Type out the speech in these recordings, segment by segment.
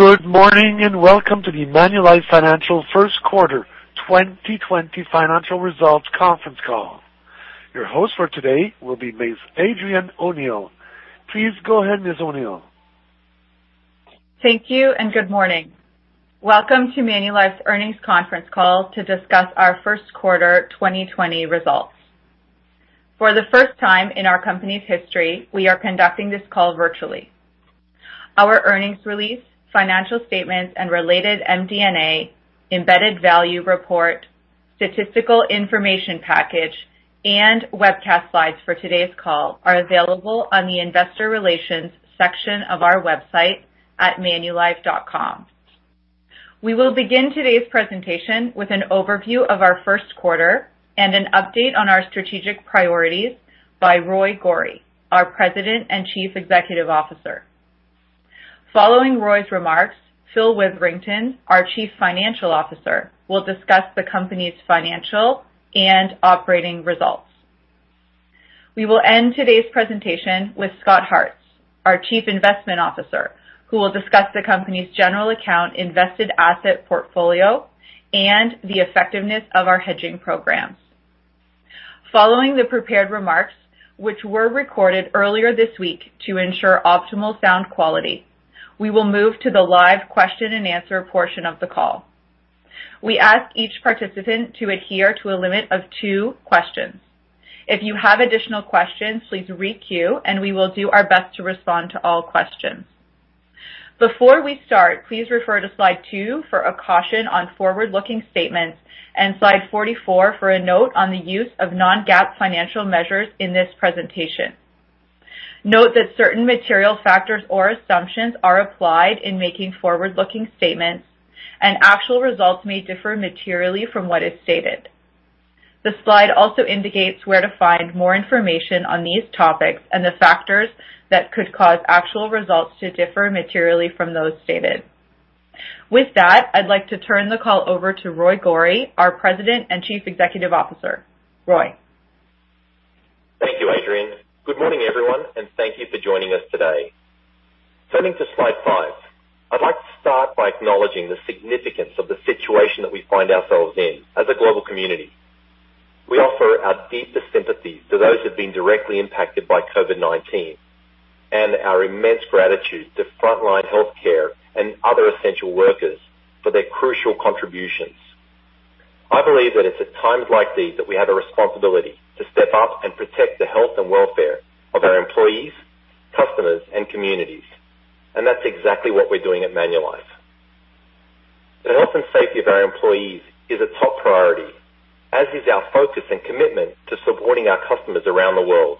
Good morning and welcome to the Manulife Financial First Quarter 2020 Financial Results Conference Call. Your host for today will be Ms. Adrienne O'Neil. Please go ahead, Ms. O'Neil. Thank you and good morning. Welcome to Manulife's earnings conference call to discuss our first quarter 2020 results. For the first time in our company's history, we are conducting this call virtually. Our earnings release, financial statements, and related MD&A embedded value report, statistical information package, and webcast slides for today's call are available on the investor relations section of our website at manulife.com. We will begin today's presentation with an overview of our first quarter and an update on our strategic priorities by Roy Gori, our President and Chief Executive Officer. Following Roy's remarks, Phil Witherington, our Chief Financial Officer, will discuss the company's financial and operating results. We will end today's presentation with Scott Hartz, our Chief Investment Officer, who will discuss the company's general account invested asset portfolio and the effectiveness of our hedging programs. Following the prepared remarks, which were recorded earlier this week to ensure optimal sound quality, we will move to the live question and answer portion of the call. We ask each participant to adhere to a limit of two questions. If you have additional questions, please re-queue and we will do our best to respond to all questions. Before we start, please refer to slide two for a caution on forward-looking statements and slide 44 for a note on the use of non-GAAP financial measures in this presentation. Note that certain material factors or assumptions are applied in making forward-looking statements, and actual results may differ materially from what is stated. The slide also indicates where to find more information on these topics and the factors that could cause actual results to differ materially from those stated. With that, I'd like to turn the call over to Roy Gori, our President and Chief Executive Officer. Roy. Thank you, Adrienne. Good morning, everyone, and thank you for joining us today. Turning to slide five, I'd like to start by acknowledging the significance of the situation that we find ourselves in as a global community. We offer our deepest sympathies to those who have been directly impacted by COVID-19 and our immense gratitude to frontline healthcare and other essential workers for their crucial contributions. I believe that it's at times like these that we have a responsibility to step up and protect the health and welfare of our employees, customers, and communities, and that's exactly what we're doing at Manulife. The health and safety of our employees is a top priority, as is our focus and commitment to supporting our customers around the world.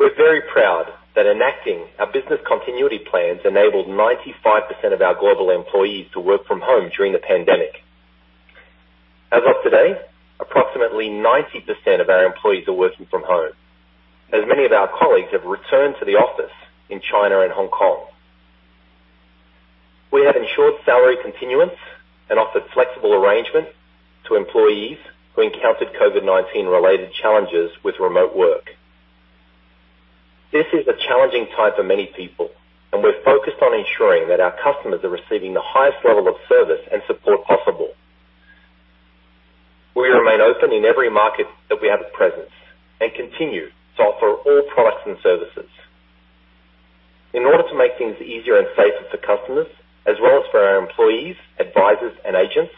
We're very proud that enacting our business continuity plans enabled 95% of our global employees to work from home during the pandemic. As of today, approximately 90% of our employees are working from home, as many of our colleagues have returned to the office in China and Hong Kong. We have ensured salary continuance and offered flexible arrangements to employees who encountered COVID-19-related challenges with remote work. This is a challenging time for many people, and we're focused on ensuring that our customers are receiving the highest level of service and support possible. We remain open in every market that we have a presence and continue to offer all products and services. In order to make things easier and safer for customers, as well as for our employees, advisors, and agents,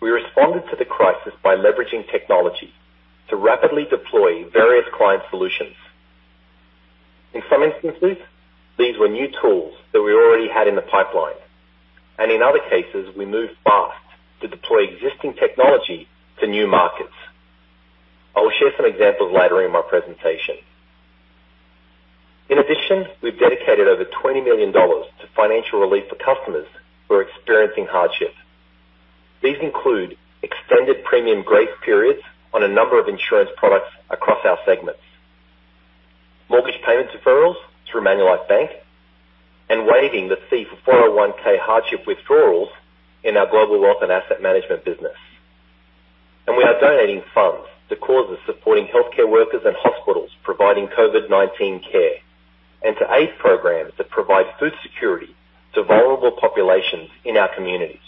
we responded to the crisis by leveraging technology to rapidly deploy various client solutions. In some instances, these were new tools that we already had in the pipeline, and in other cases, we moved fast to deploy existing technology to new markets. I will share some examples later in my presentation. In addition, we've dedicated over 20 million dollars to financial relief for customers who are experiencing hardship. These include extended premium grace periods on a number of insurance products across our segments, mortgage payment deferrals through Manulife Bank, and waiving the fee for 401(k) hardship withdrawals in our global wealth and asset management business. We are donating funds to causes supporting healthcare workers and hospitals providing COVID-19 care, and to aid programs that provide food security to vulnerable populations in our communities.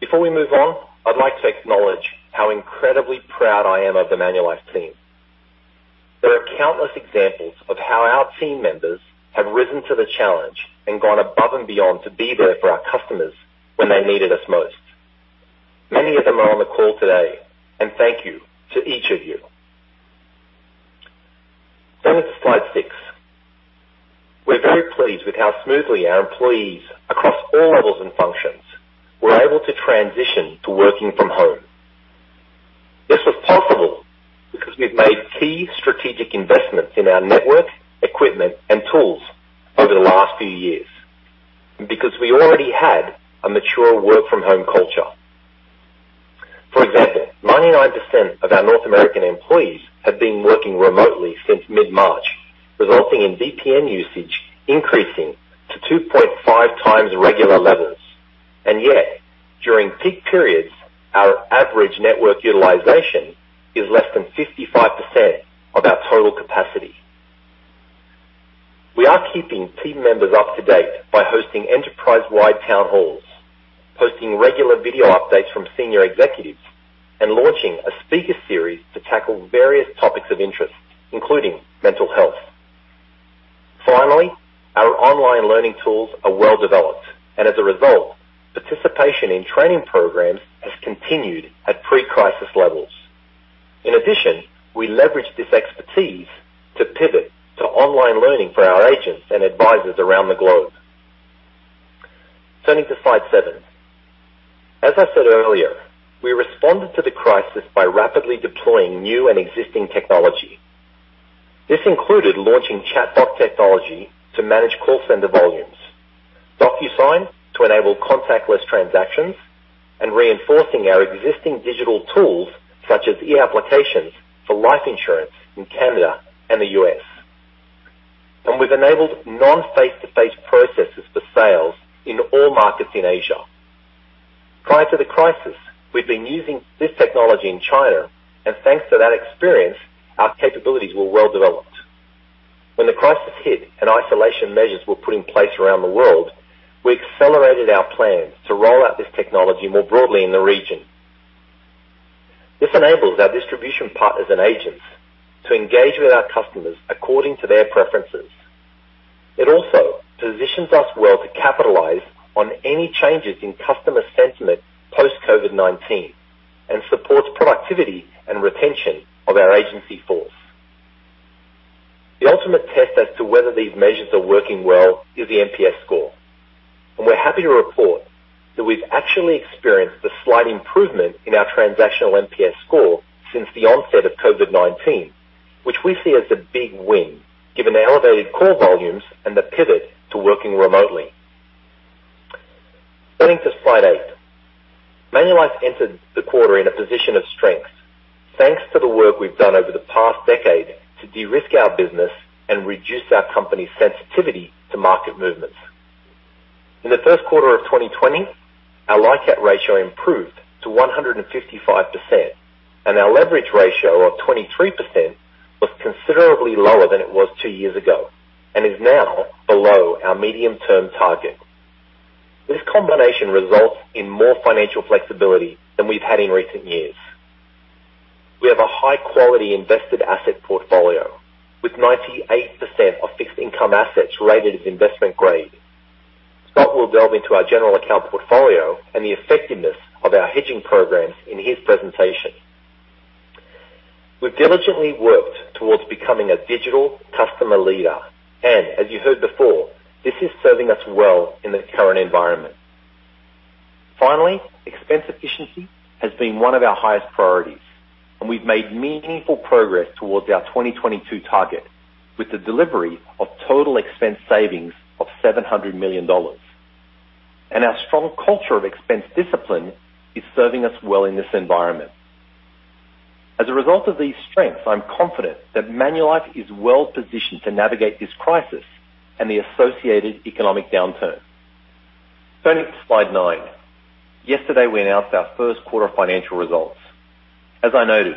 Before we move on, I'd like to acknowledge how incredibly proud I am of the Manulife team. There are countless examples of how our team members have risen to the challenge and gone above and beyond to be there for our customers when they needed us most. Many of them are on the call today, and thank you to each of you. Turning to slide six, we're very pleased with how smoothly our employees across all levels and functions were able to transition to working from home. This was possible because we've made key strategic investments in our network, equipment, and tools over the last few years, and because we already had a mature work-from-home culture. For example, 99% of our North American employees have been working remotely since mid-March, resulting in VPN usage increasing to 2.5 times regular levels, and yet during peak periods, our average network utilization is less than 55% of our total capacity. We are keeping team members up to date by hosting enterprise-wide town halls, posting regular video updates from senior executives, and launching a speaker series to tackle various topics of interest, including mental health. Finally, our online learning tools are well developed, and as a result, participation in training programs has continued at pre-crisis levels. In addition, we leverage this expertise to pivot to online learning for our agents and advisors around the globe. Turning to slide seven, as I said earlier, we responded to the crisis by rapidly deploying new and existing technology. This included launching chatbot technology to manage call center volumes, DocuSign to enable contactless transactions, and reinforcing our existing digital tools such as e-applications for life insurance in Canada and the US. We have enabled non-face-to-face processes for sales in all markets in Asia. Prior to the crisis, we've been using this technology in China, and thanks to that experience, our capabilities were well developed. When the crisis hit and isolation measures were put in place around the world, we accelerated our plans to roll out this technology more broadly in the region. This enables our distribution partners and agents to engage with our customers according to their preferences. It also positions us well to capitalize on any changes in customer sentiment post-COVID-19 and supports productivity and retention of our agency force. The ultimate test as to whether these measures are working well is the MPS score, and we're happy to report that we've actually experienced a slight improvement in our transactional MPS score since the onset of COVID-19, which we see as a big win given the elevated call volumes and the pivot to working remotely. Turning to slide eight, Manulife entered the quarter in a position of strength thanks to the work we've done over the past decade to de-risk our business and reduce our company's sensitivity to market movements. In the first quarter of 2020, our LICAT ratio improved to 155%, and our leverage ratio of 23% was considerably lower than it was two years ago and is now below our medium-term target. This combination results in more financial flexibility than we've had in recent years. We have a high-quality invested asset portfolio with 98% of fixed income assets rated as investment grade. Scott will delve into our general account portfolio and the effectiveness of our hedging programs in his presentation. We've diligently worked towards becoming a digital customer leader, and as you heard before, this is serving us well in the current environment. Finally, expense efficiency has been one of our highest priorities, and we've made meaningful progress towards our 2022 target with the delivery of total expense savings of 700 million dollars. Our strong culture of expense discipline is serving us well in this environment. As a result of these strengths, I'm confident that Manulife is well positioned to navigate this crisis and the associated economic downturn. Turning to slide nine, yesterday we announced our first quarter financial results. As I noted,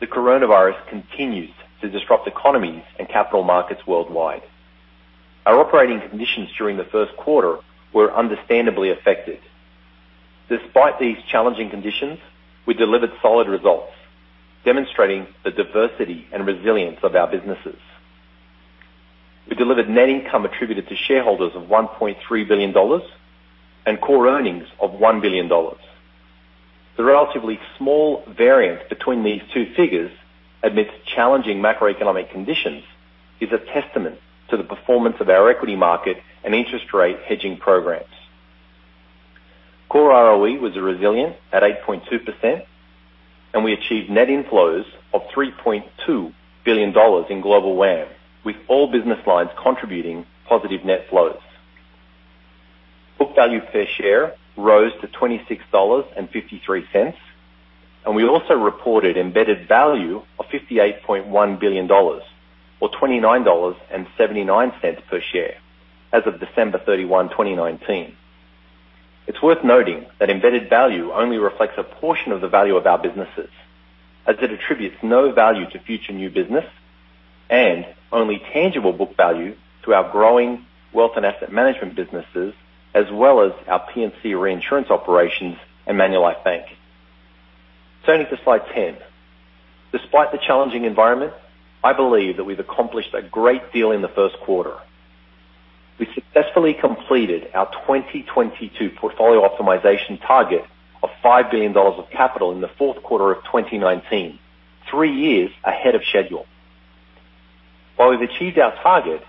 the coronavirus continues to disrupt economies and capital markets worldwide. Our operating conditions during the first quarter were understandably affected. Despite these challenging conditions, we delivered solid results, demonstrating the diversity and resilience of our businesses. We delivered net income attributed to shareholders of 1.3 billion dollars and core earnings of 1 billion dollars. The relatively small variance between these two figures, amidst challenging macroeconomic conditions, is a testament to the performance of our equity market and interest rate hedging programs. Core ROE was resilient at 8.2%, and we achieved net inflows of $3.2 billion in global WAM, with all business lines contributing positive net flows. Book value per share rose to 26.53 dollars, and we also reported embedded value of 58.1 billion dollars, or 29.79 dollars per share as of December 31, 2019. It's worth noting that embedded value only reflects a portion of the value of our businesses, as it attributes no value to future new business and only tangible book value to our growing wealth and asset management businesses, as well as our P&C reinsurance operations and Manulife Bank. Turning to slide ten, despite the challenging environment, I believe that we've accomplished a great deal in the first quarter. We successfully completed our 2022 portfolio optimization target of $5 billion of capital in the fourth quarter of 2019, three years ahead of schedule. While we've achieved our target,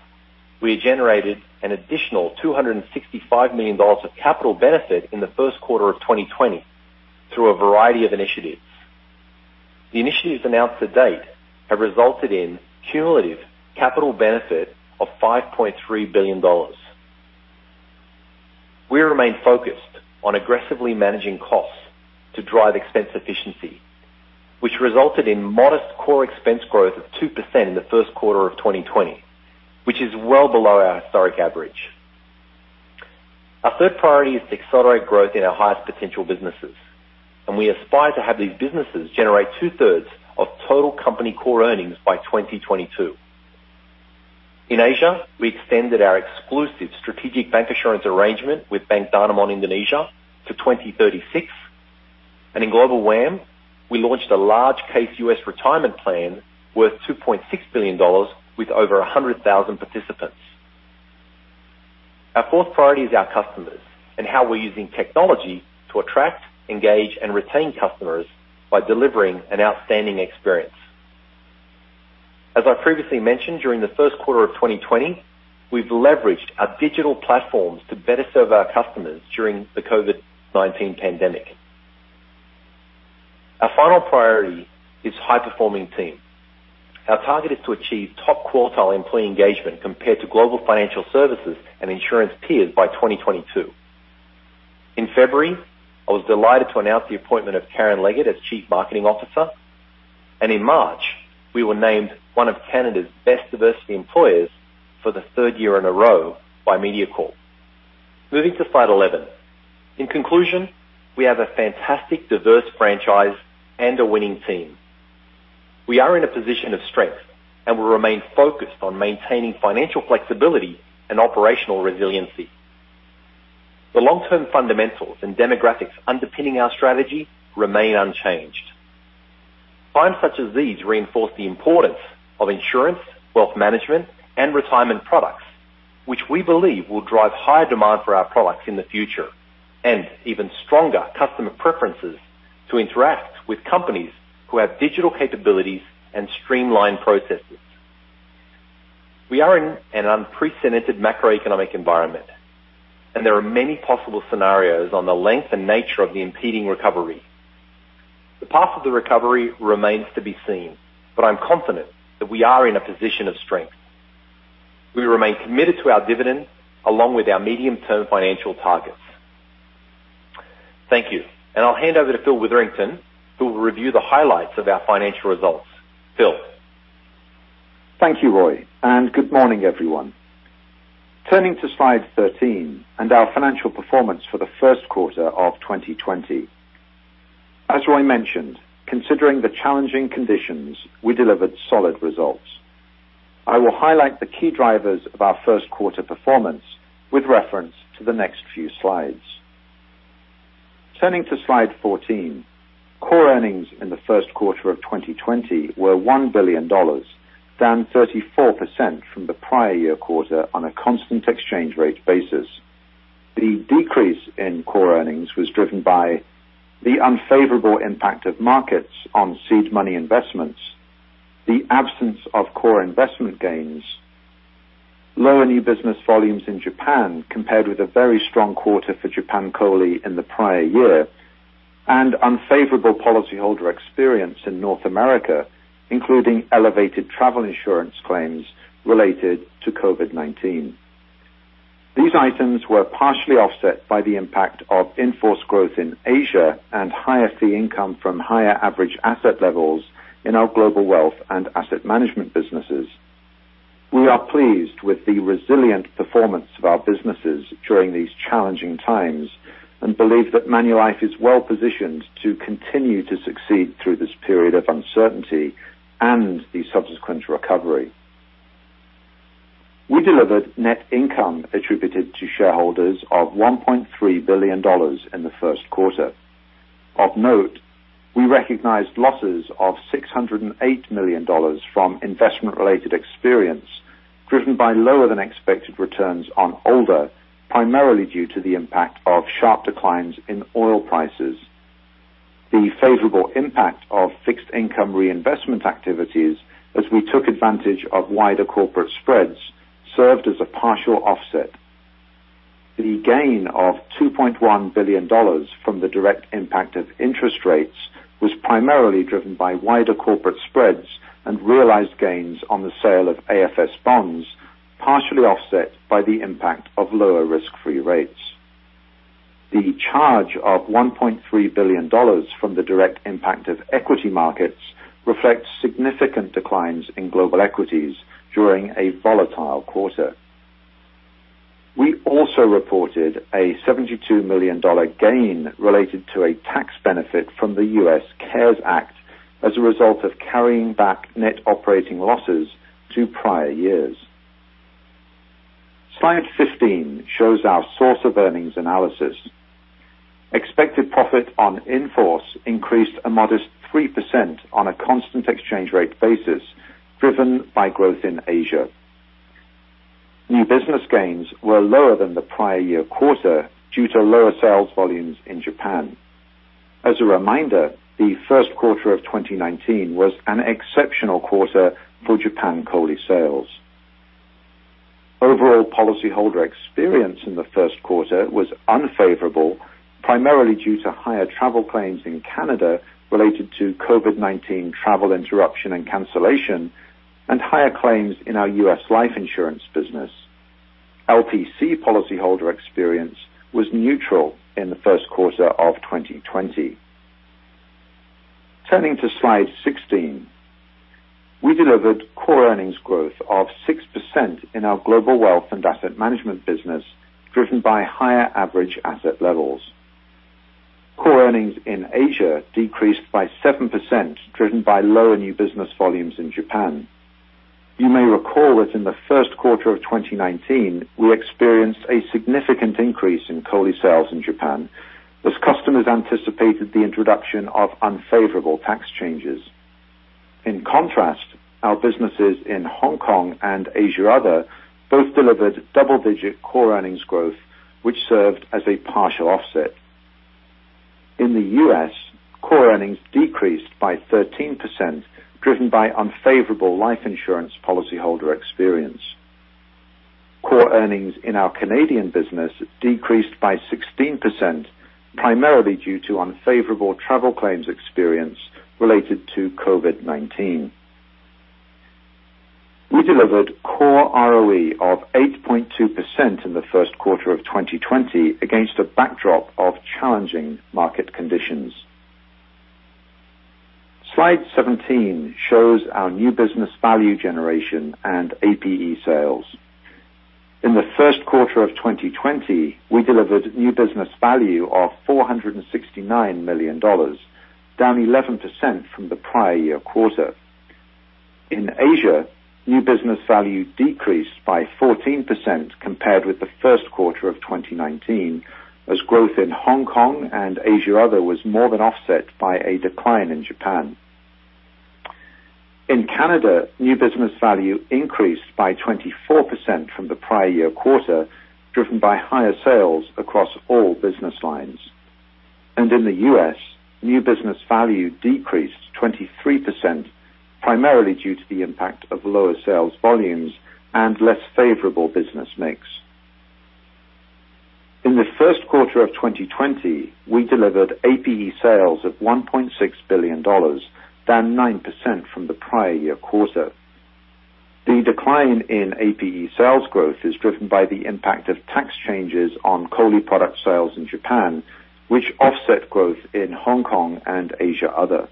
we have generated an additional $265 million of capital benefit in the first quarter of 2020 through a variety of initiatives. The initiatives announced to date have resulted in cumulative capital benefit of $5.3 billion. We remain focused on aggressively managing costs to drive expense efficiency, which resulted in modest core expense growth of 2% in the first quarter of 2020, which is well below our historic average. Our third priority is to accelerate growth in our highest potential businesses, and we aspire to have these businesses generate two-thirds of total company core earnings by 2022. In Asia, we extended our exclusive strategic bancassurance arrangement with Bank Danamon Indonesia to 2036, and in global WAM, we launched a large case US retirement plan worth $2.6 billion with over 100,000 participants. Our fourth priority is our customers and how we're using technology to attract, engage, and retain customers by delivering an outstanding experience. As I previously mentioned, during the first quarter of 2020, we've leveraged our digital platforms to better serve our customers during the COVID-19 pandemic. Our final priority is high-performing team. Our target is to achieve top quartile employee engagement compared to global financial services and insurance peers by 2022. In February, I was delighted to announce the appointment of Karen Leggett as Chief Marketing Officer, and in March, we were named one of Canada's best diversity employers for the third year in a row by Media Corp. Moving to slide 11, in conclusion, we have a fantastic diverse franchise and a winning team. We are in a position of strength and will remain focused on maintaining financial flexibility and operational resiliency. The long-term fundamentals and demographics underpinning our strategy remain unchanged. Times such as these reinforce the importance of insurance, wealth management, and retirement products, which we believe will drive higher demand for our products in the future and even stronger customer preferences to interact with companies who have digital capabilities and streamlined processes. We are in an unprecedented macroeconomic environment, and there are many possible scenarios on the length and nature of the impending recovery. The path of the recovery remains to be seen, but I'm confident that we are in a position of strength. We remain committed to our dividend along with our medium-term financial targets. Thank you, and I'll hand over to Phil Witherington, who will review the highlights of our financial results. Phil. Thank you, Roy, and good morning, everyone. Turning to slide 13 and our financial performance for the first quarter of 2020. As Roy mentioned, considering the challenging conditions, we delivered solid results. I will highlight the key drivers of our first quarter performance with reference to the next few slides. Turning to slide 14, core earnings in the first quarter of 2020 were $1 billion, down 34% from the prior year quarter on a constant exchange rate basis. The decrease in core earnings was driven by the unfavorable impact of markets on seed money investments, the absence of core investment gains, lower new business volumes in Japan compared with a very strong quarter for Japan Coli in the prior year, and unfavorable policyholder experience in North America, including elevated travel insurance claims related to COVID-19. These items were partially offset by the impact of enforced growth in Asia and higher fee income from higher average asset levels in our global wealth and asset management businesses. We are pleased with the resilient performance of our businesses during these challenging times and believe that Manulife is well positioned to continue to succeed through this period of uncertainty and the subsequent recovery. We delivered net income attributed to shareholders of 1.3 billion dollars in the first quarter. Of note, we recognized losses of $608 million from investment-related experience driven by lower-than-expected returns on oil, primarily due to the impact of sharp declines in oil prices. The favorable impact of fixed income reinvestment activities as we took advantage of wider corporate spreads served as a partial offset. The gain of $2.1 billion from the direct impact of interest rates was primarily driven by wider corporate spreads and realized gains on the sale of AFS bonds, partially offset by the impact of lower risk-free rates. The charge of $1.3 billion from the direct impact of equity markets reflects significant declines in global equities during a volatile quarter. We also reported a $72 million gain related to a tax benefit from the US CARES Act as a result of carrying back net operating losses to prior years. Slide 15 shows our source of earnings analysis. Expected profit on inforce increased a modest 3% on a constant exchange rate basis driven by growth in Asia. New business gains were lower than the prior year quarter due to lower sales volumes in Japan. As a reminder, the first quarter of 2019 was an exceptional quarter for Japan Coli sales. Overall policyholder experience in the first quarter was unfavorable, primarily due to higher travel claims in Canada related to COVID-19 travel interruption and cancellation and higher claims in our US life insurance business. LPC policyholder experience was neutral in the first quarter of 2020. Turning to slide 16, we delivered core earnings growth of 6% in our global wealth and asset management business driven by higher average asset levels. Core earnings in Asia decreased by 7% driven by lower new business volumes in Japan. You may recall that in the first quarter of 2019, we experienced a significant increase in Coli sales in Japan as customers anticipated the introduction of unfavorable tax changes. In contrast, our businesses in Hong Kong and Asia other both delivered double-digit core earnings growth, which served as a partial offset. In the U.S., core earnings decreased by 13% driven by unfavorable life insurance policyholder experience. Core earnings in our Canadian business decreased by 16%, primarily due to unfavorable travel claims experience related to COVID-19. We delivered core ROE of 8.2% in the first quarter of 2020 against a backdrop of challenging market conditions. Slide 17 shows our new business value generation and APE sales. In the first quarter of 2020, we delivered new business value of $469 million, down 11% from the prior year quarter. In Asia, new business value decreased by 14% compared with the first quarter of 2019 as growth in Hong Kong and Asia other was more than offset by a decline in Japan. In Canada, new business value increased by 24% from the prior year quarter driven by higher sales across all business lines. In the U.S., new business value decreased 23%, primarily due to the impact of lower sales volumes and less favorable business mix. In the first quarter of 2020, we delivered APE sales of $1.6 billion, down 9% from the prior year quarter. The decline in APE sales growth is driven by the impact of tax changes on Coli product sales in Japan, which offset growth in Hong Kong and Asia other.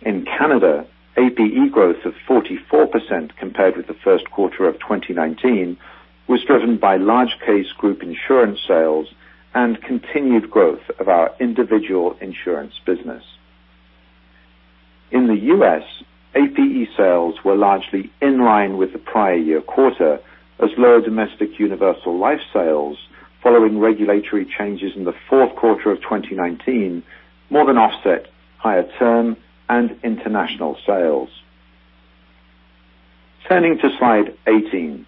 In Canada, APE growth of 44% compared with the first quarter of 2019 was driven by large case group insurance sales and continued growth of our individual insurance business. In the U.S., APE sales were largely in line with the prior year quarter as lower domestic universal life sales following regulatory changes in the fourth quarter of 2019 more than offset higher term and international sales. Turning to slide 18,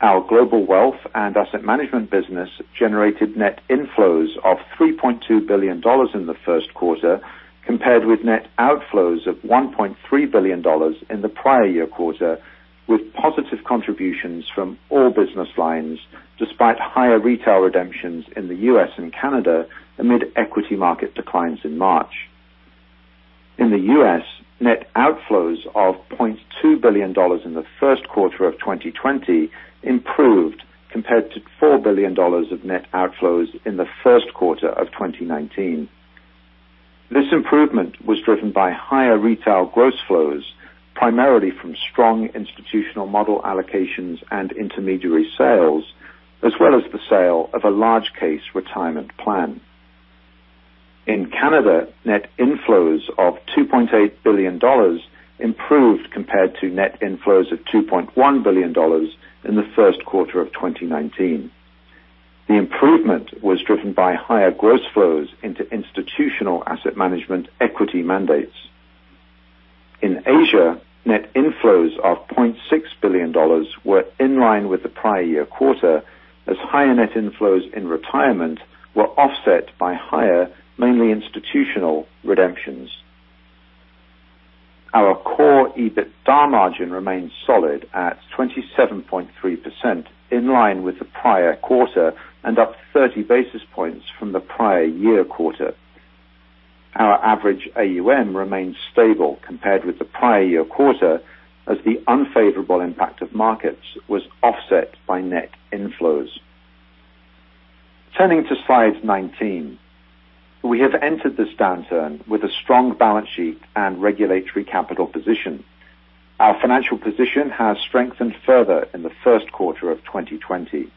our global wealth and asset management business generated net inflows of 3.2 billion dollars in the first quarter compared with net outflows of 1.3 billion dollars in the prior year quarter with positive contributions from all business lines despite higher retail redemptions in the U.S. and Canada amid equity market declines in March. In the U.S., net outflows of $0.2 billion in the first quarter of 2020 improved compared to $4 billion of net outflows in the first quarter of 2019. This improvement was driven by higher retail gross flows primarily from strong institutional model allocations and intermediary sales as well as the sale of a large case retirement plan. In Canada, net inflows of 2.8 billion dollars improved compared to net inflows of 2.1 billion dollars in the first quarter of 2019. The improvement was driven by higher gross flows into institutional asset management equity mandates. In Asia, net inflows of 0.6 billion dollars were in line with the prior year quarter as higher net inflows in retirement were offset by higher, mainly institutional, redemptions. Our core EBITDA margin remained solid at 27.3% in line with the prior quarter and up 30 basis points from the prior year quarter. Our average AUM remained stable compared with the prior year quarter as the unfavorable impact of markets was offset by net inflows. Turning to slide 19, we have entered this downturn with a strong balance sheet and regulatory capital position. Our financial position has strengthened further in the first quarter of 2020.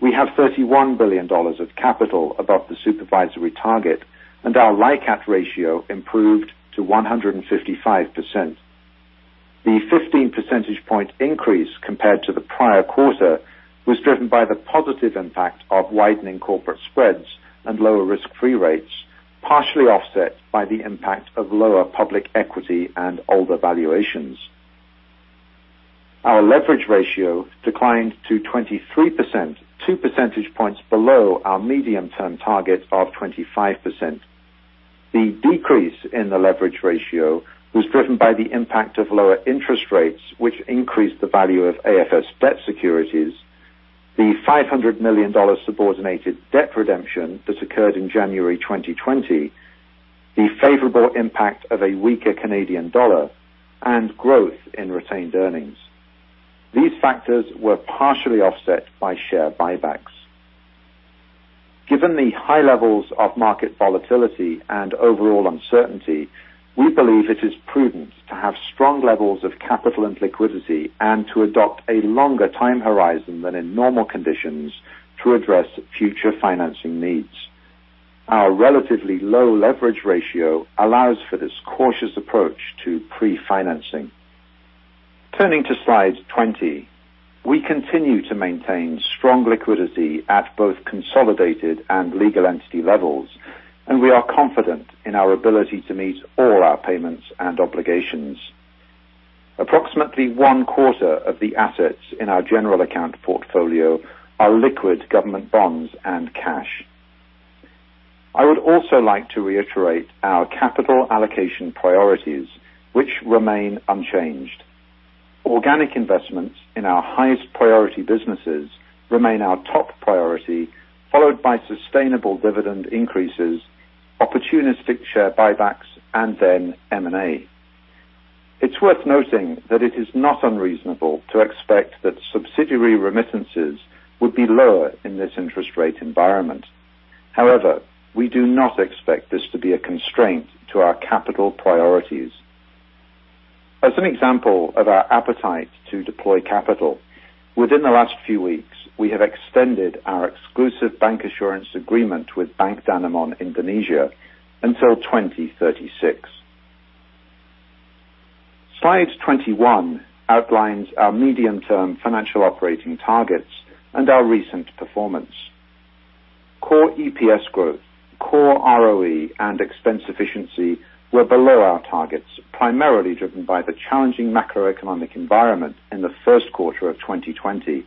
We have 31 billion dollars of capital above the supervisory target, and our LICAT ratio improved to 155%. The 15 percentage point increase compared to the prior quarter was driven by the positive impact of widening corporate spreads and lower risk-free rates, partially offset by the impact of lower public equity and ALDA valuations. Our leverage ratio declined to 23%, two percentage points below our medium-term target of 25%. The decrease in the leverage ratio was driven by the impact of lower interest rates, which increased the value of AFS debt securities, the 500 million dollars subordinated debt redemption that occurred in January 2020, the favorable impact of a weaker Canadian dollar, and growth in retained earnings. These factors were partially offset by share buybacks. Given the high levels of market volatility and overall uncertainty, we believe it is prudent to have strong levels of capital and liquidity and to adopt a longer time horizon than in normal conditions to address future financing needs. Our relatively low leverage ratio allows for this cautious approach to pre-financing. Turning to slide 20, we continue to maintain strong liquidity at both consolidated and legal entity levels, and we are confident in our ability to meet all our payments and obligations. Approximately one quarter of the assets in our general account portfolio are liquid government bonds and cash. I would also like to reiterate our capital allocation priorities, which remain unchanged. Organic investments in our highest priority businesses remain our top priority, followed by sustainable dividend increases, opportunistic share buybacks, and then M&A. It's worth noting that it is not unreasonable to expect that subsidiary remittances would be lower in this interest rate environment. However, we do not expect this to be a constraint to our capital priorities. As an example of our appetite to deploy capital, within the last few weeks, we have extended our exclusive bancassurance agreement with Bank Danamon Indonesia until 2036. Slide 21 outlines our medium-term financial operating targets and our recent performance. Core EPS growth, core ROE, and expense efficiency were below our targets, primarily driven by the challenging macroeconomic environment in the first quarter of 2020.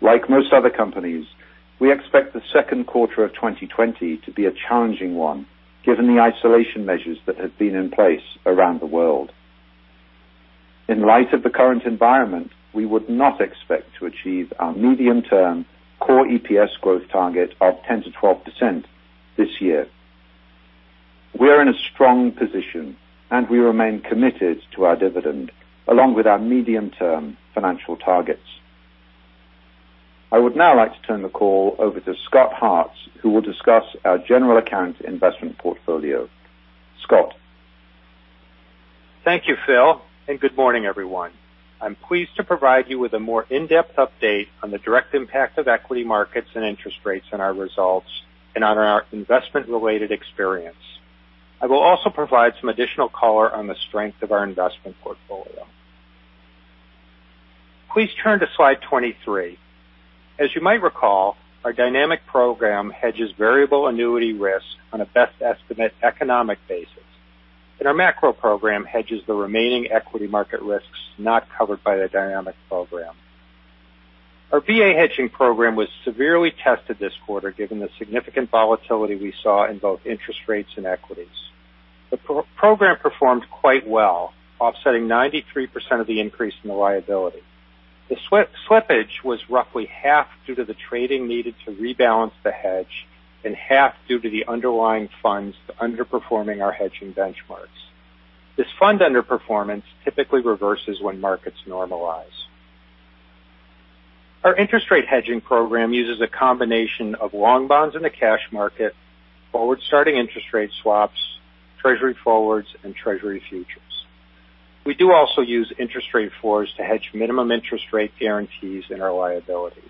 Like most other companies, we expect the second quarter of 2020 to be a challenging one given the isolation measures that have been in place around the world. In light of the current environment, we would not expect to achieve our medium-term core EPS growth target of 10-12% this year. We are in a strong position, and we remain committed to our dividend along with our medium-term financial targets. I would now like to turn the call over to Scott Hartz, who will discuss our general account investment portfolio. Scott. Thank you, Phil, and good morning, everyone. I'm pleased to provide you with a more in-depth update on the direct impact of equity markets and interest rates on our results and on our investment-related experience. I will also provide some additional color on the strength of our investment portfolio. Please turn to slide 23. As you might recall, our dynamic program hedges variable annuity risk on a best estimate economic basis, and our macro program hedges the remaining equity market risks not covered by the dynamic program. Our VA hedging program was severely tested this quarter given the significant volatility we saw in both interest rates and equities. The program performed quite well, offsetting 93% of the increase in the liability. The slippage was roughly half due to the trading needed to rebalance the hedge and half due to the underlying funds underperforming our hedging benchmarks. This fund underperformance typically reverses when markets normalize. Our interest rate hedging program uses a combination of long bonds in the cash market, forward-starting interest rate swaps, Treasury forwards, and Treasury futures. We do also use interest rate floors to hedge minimum interest rate guarantees and our liabilities.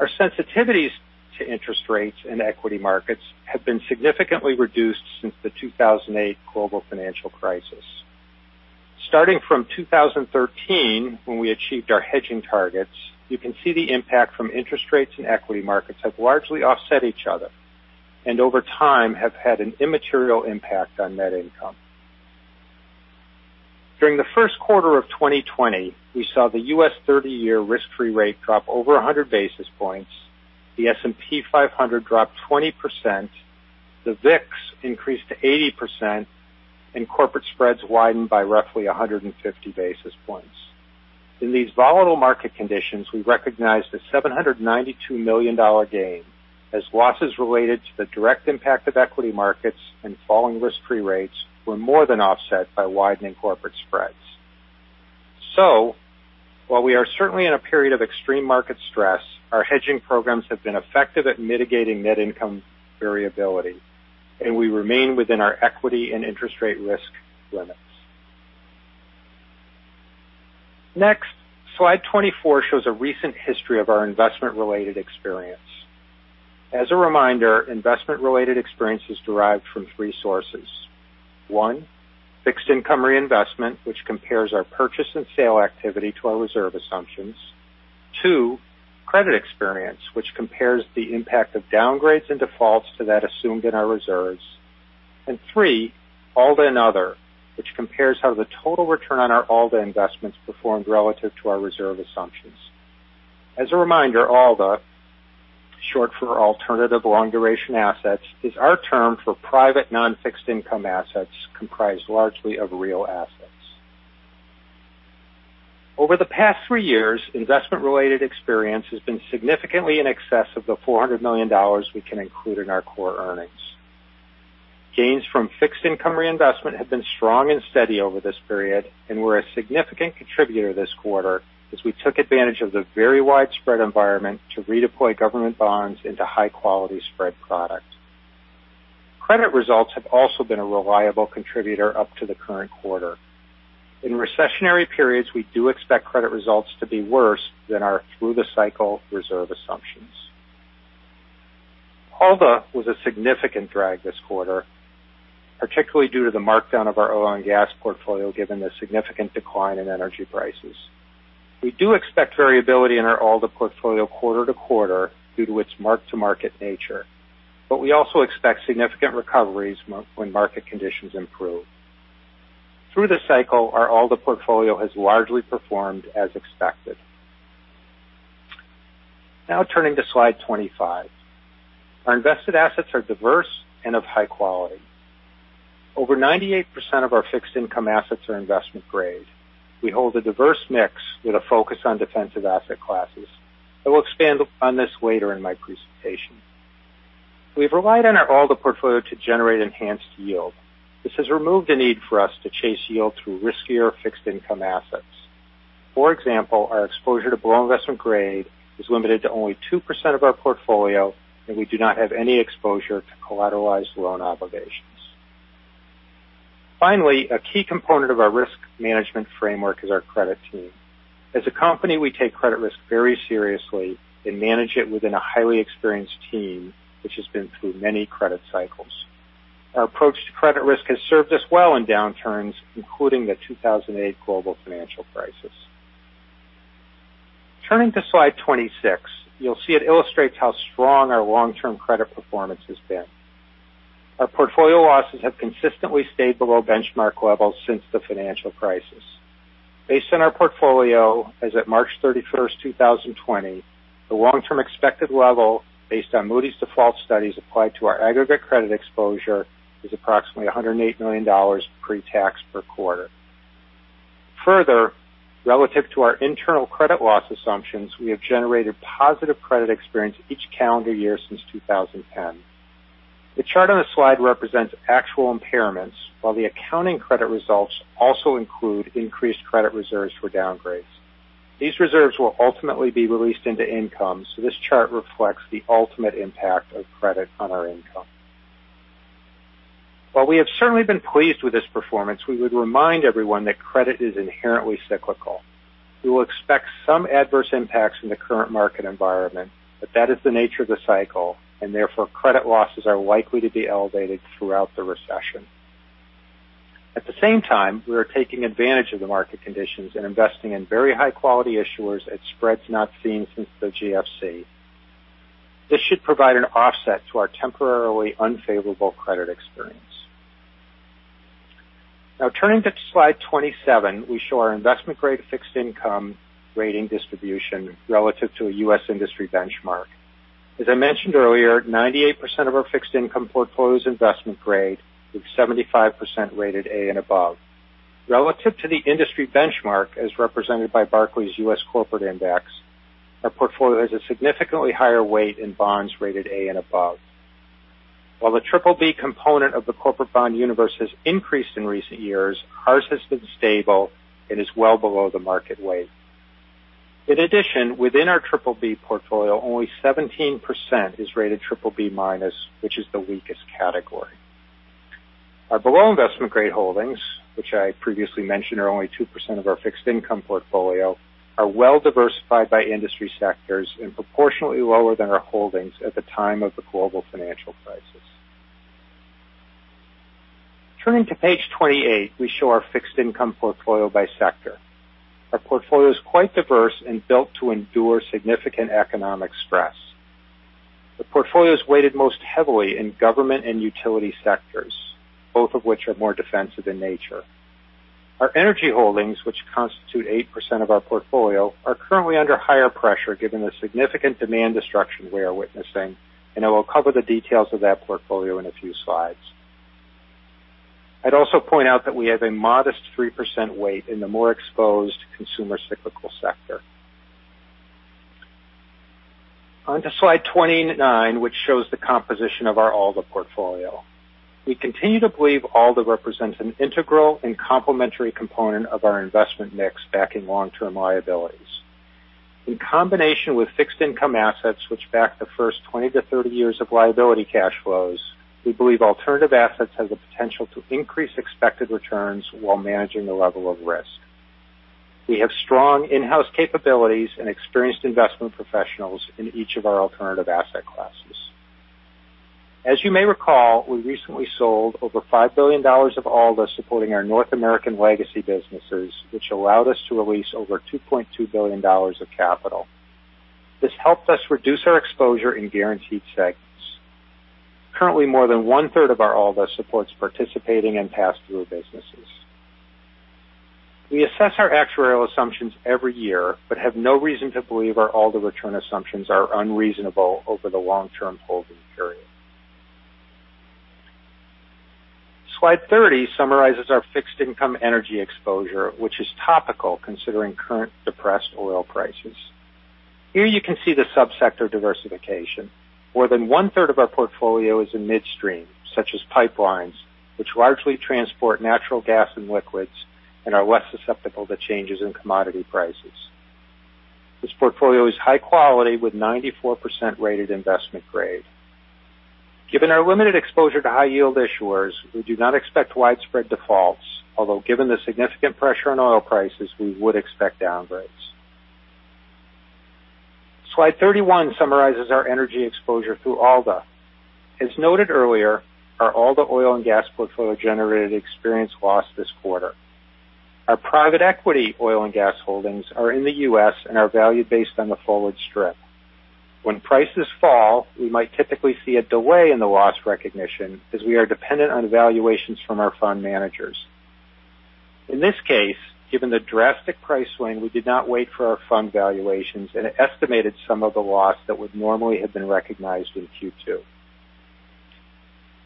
Our sensitivities to interest rates and equity markets have been significantly reduced since the 2008 global financial crisis. Starting from 2013, when we achieved our hedging targets, you can see the impact from interest rates and equity markets have largely offset each other and over time have had an immaterial impact on net income. During the first quarter of 2020, we saw the U.S. 30-year risk-free rate drop over 100 basis points, the S&P 500 dropped 20%, the VIX increased to 80%, and corporate spreads widened by roughly 150 basis points. In these volatile market conditions, we recognized a $792 million gain as losses related to the direct impact of equity markets and falling risk-free rates were more than offset by widening corporate spreads. While we are certainly in a period of extreme market stress, our hedging programs have been effective at mitigating net income variability, and we remain within our equity and interest rate risk limits. Next, slide 24 shows a recent history of our investment-related experience. As a reminder, investment-related experience is derived from three sources. One, fixed income reinvestment, which compares our purchase and sale activity to our reserve assumptions. Two, credit experience, which compares the impact of downgrades and defaults to that assumed in our reserves. Three, ALDA and other, which compares how the total return on our ALDA investments performed relative to our reserve assumptions. As a reminder, ALDA, short for alternative long-duration assets, is our term for private non-fixed income assets comprised largely of real assets. Over the past three years, investment-related experience has been significantly in excess of the $400 million we can include in our core earnings. Gains from fixed income reinvestment have been strong and steady over this period and were a significant contributor this quarter as we took advantage of the very widespread environment to redeploy government bonds into high-quality spread product. Credit results have also been a reliable contributor up to the current quarter. In recessionary periods, we do expect credit results to be worse than our through-the-cycle reserve assumptions. ALDA was a significant drag this quarter, particularly due to the markdown of our oil and gas portfolio given the significant decline in energy prices. We do expect variability in our ALDA portfolio quarter to quarter due to its mark-to-market nature, but we also expect significant recoveries when market conditions improve. Through the cycle, our ALDA portfolio has largely performed as expected. Now turning to slide 25, our invested assets are diverse and of high quality. Over 98% of our fixed income assets are investment grade. We hold a diverse mix with a focus on defensive asset classes. I will expand on this later in my presentation. We have relied on our ALDA portfolio to generate enhanced yield. This has removed the need for us to chase yield through riskier fixed income assets. For example, our exposure to below investment grade is limited to only 2% of our portfolio, and we do not have any exposure to collateralized loan obligations. Finally, a key component of our risk management framework is our credit team. As a company, we take credit risk very seriously and manage it within a highly experienced team, which has been through many credit cycles. Our approach to credit risk has served us well in downturns, including the 2008 global financial crisis. Turning to slide 26, you'll see it illustrates how strong our long-term credit performance has been. Our portfolio losses have consistently stayed below benchmark levels since the financial crisis. Based on our portfolio as of March 31, 2020, the long-term expected level based on Moody's default studies applied to our aggregate credit exposure is approximately $108 million pre-tax per quarter. Further, relative to our internal credit loss assumptions, we have generated positive credit experience each calendar year since 2010. The chart on the slide represents actual impairments, while the accounting credit results also include increased credit reserves for downgrades. These reserves will ultimately be released into income, so this chart reflects the ultimate impact of credit on our income. While we have certainly been pleased with this performance, we would remind everyone that credit is inherently cyclical. We will expect some adverse impacts in the current market environment, but that is the nature of the cycle, and therefore credit losses are likely to be elevated throughout the recession. At the same time, we are taking advantage of the market conditions and investing in very high-quality issuers at spreads not seen since the GFC. This should provide an offset to our temporarily unfavorable credit experience. Now turning to slide 27, we show our investment-grade fixed income rating distribution relative to a US industry benchmark. As I mentioned earlier, 98% of our fixed income portfolio is investment grade, with 75% rated A and above. Relative to the industry benchmark, as represented by Barclays US Corporate Index, our portfolio has a significantly higher weight in bonds rated A and above. While the BBB component of the corporate bond universe has increased in recent years, ours has been stable and is well below the market weight. In addition, within our BBB portfolio, only 17% is rated BBB minus, which is the weakest category. Our below investment-grade holdings, which I previously mentioned are only 2% of our fixed income portfolio, are well diversified by industry sectors and proportionately lower than our holdings at the time of the global financial crisis. Turning to page 28, we show our fixed income portfolio by sector. Our portfolio is quite diverse and built to endure significant economic stress. The portfolio is weighted most heavily in government and utility sectors, both of which are more defensive in nature. Our energy holdings, which constitute 8% of our portfolio, are currently under higher pressure given the significant demand destruction we are witnessing, and I will cover the details of that portfolio in a few slides. I'd also point out that we have a modest 3% weight in the more exposed consumer cyclical sector. Onto slide 29, which shows the composition of our ALDA portfolio. We continue to believe ALDA represents an integral and complementary component of our investment mix backing long-term liabilities. In combination with fixed income assets, which back the first 20-30 years of liability cash flows, we believe alternative assets have the potential to increase expected returns while managing the level of risk. We have strong in-house capabilities and experienced investment professionals in each of our alternative asset classes. As you may recall, we recently sold over $5 billion of ALDA supporting our North American legacy businesses, which allowed us to release over $2.2 billion of capital. This helped us reduce our exposure in guaranteed segments. Currently, more than one-third of our ALDA supports participating and pass-through businesses. We assess our actuarial assumptions every year but have no reason to believe our ALDA return assumptions are unreasonable over the long-term holding period. Slide 30 summarizes our fixed income energy exposure, which is topical considering current depressed oil prices. Here you can see the subsector diversification. More than one-third of our portfolio is in midstream, such as pipelines, which largely transport natural gas and liquids and are less susceptible to changes in commodity prices. This portfolio is high quality with 94% rated investment grade. Given our limited exposure to high-yield issuers, we do not expect widespread defaults, although given the significant pressure on oil prices, we would expect downgrades. Slide 31 summarizes our energy exposure through ALDA. As noted earlier, our ALDA oil and gas portfolio generated experience loss this quarter. Our private equity oil and gas holdings are in the US and are valued based on the forward strip. When prices fall, we might typically see a delay in the loss recognition as we are dependent on valuations from our fund managers. In this case, given the drastic price swing, we did not wait for our fund valuations and estimated some of the loss that would normally have been recognized in Q2.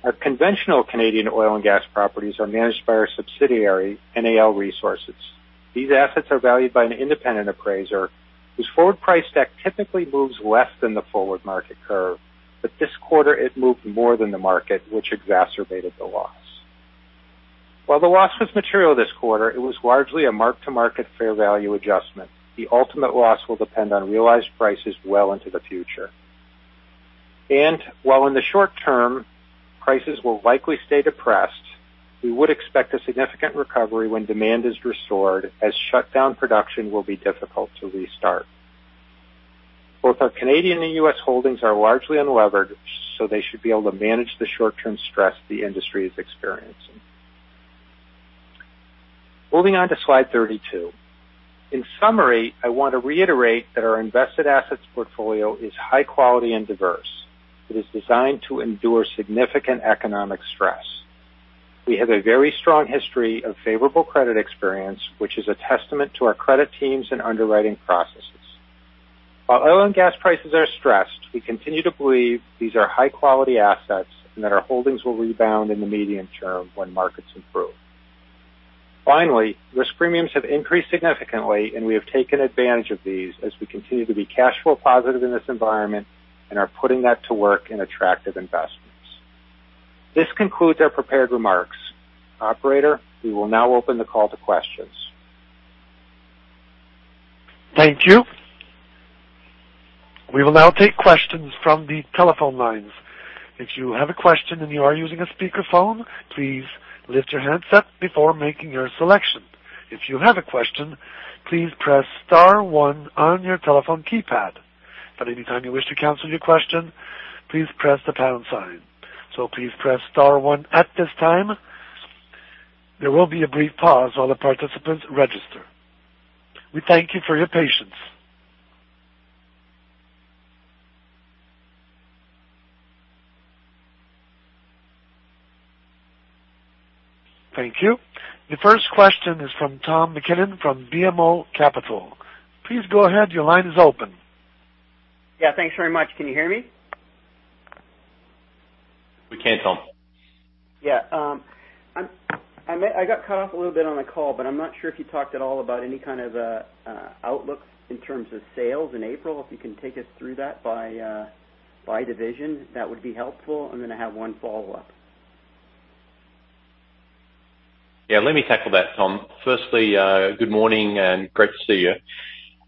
Our conventional Canadian oil and gas properties are managed by our subsidiary, NAL Resources. These assets are valued by an independent appraiser whose forward price stack typically moves less than the forward market curve, but this quarter it moved more than the market, which exacerbated the loss. While the loss was material this quarter, it was largely a mark-to-market fair value adjustment. The ultimate loss will depend on realized prices well into the future. While in the short term, prices will likely stay depressed, we would expect a significant recovery when demand is restored as shutdown production will be difficult to restart. Both our Canadian and US holdings are largely unlevered, so they should be able to manage the short-term stress the industry is experiencing. Moving on to slide 32. In summary, I want to reiterate that our invested assets portfolio is high quality and diverse. It is designed to endure significant economic stress. We have a very strong history of favorable credit experience, which is a testament to our credit teams and underwriting processes. While oil and gas prices are stressed, we continue to believe these are high-quality assets and that our holdings will rebound in the medium term when markets improve. Finally, risk premiums have increased significantly, and we have taken advantage of these as we continue to be cash flow positive in this environment and are putting that to work in attractive investments. This concludes our prepared remarks. Operator, we will now open the call to questions. Thank you. We will now take questions from the telephone lines. If you have a question and you are using a speakerphone, please lift your hands up before making your selection. If you have a question, please press star one on your telephone keypad. At any time you wish to cancel your question, please press the pound sign. Please press star one at this time. There will be a brief pause while the participants register. We thank you for your patience. Thank you. The first question is from Tom McKinnon from BMO Capital. Please go ahead. Your line is open. Yeah, thanks very much. Can you hear me? We can, Tom. Yeah. I got cut off a little bit on the call, but I'm not sure if you talked at all about any kind of outlook in terms of sales in April. If you can take us through that by division, that would be helpful. I'm going to have one follow-up. Yeah, let me tackle that, Tom. Firstly, good morning and great to see you.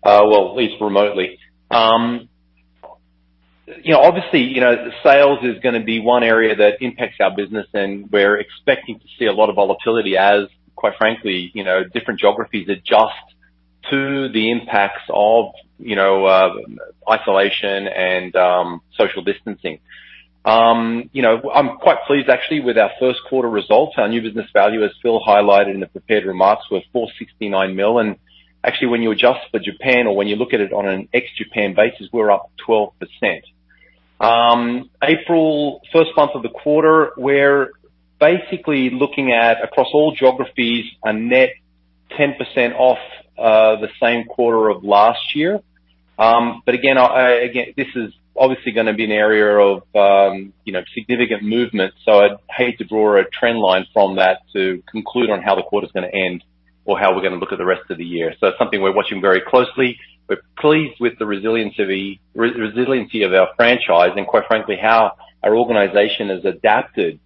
At least remotely. Obviously, sales is going to be one area that impacts our business, and we're expecting to see a lot of volatility as, quite frankly, different geographies adjust to the impacts of isolation and social distancing. I'm quite pleased, actually, with our first quarter results. Our new business value is still highlighted in the prepared remarks with 469 million. Actually, when you adjust for Japan or when you look at it on an ex-Japan basis, we're up 12%. April, first month of the quarter, we're basically looking at, across all geographies, a net 10% off the same quarter of last year. This is obviously going to be an area of significant movement, so I'd hate to draw a trend line from that to conclude on how the quarter is going to end or how we're going to look at the rest of the year. It's something we're watching very closely. We're pleased with the resiliency of our franchise and, quite frankly, how our organization has adapted,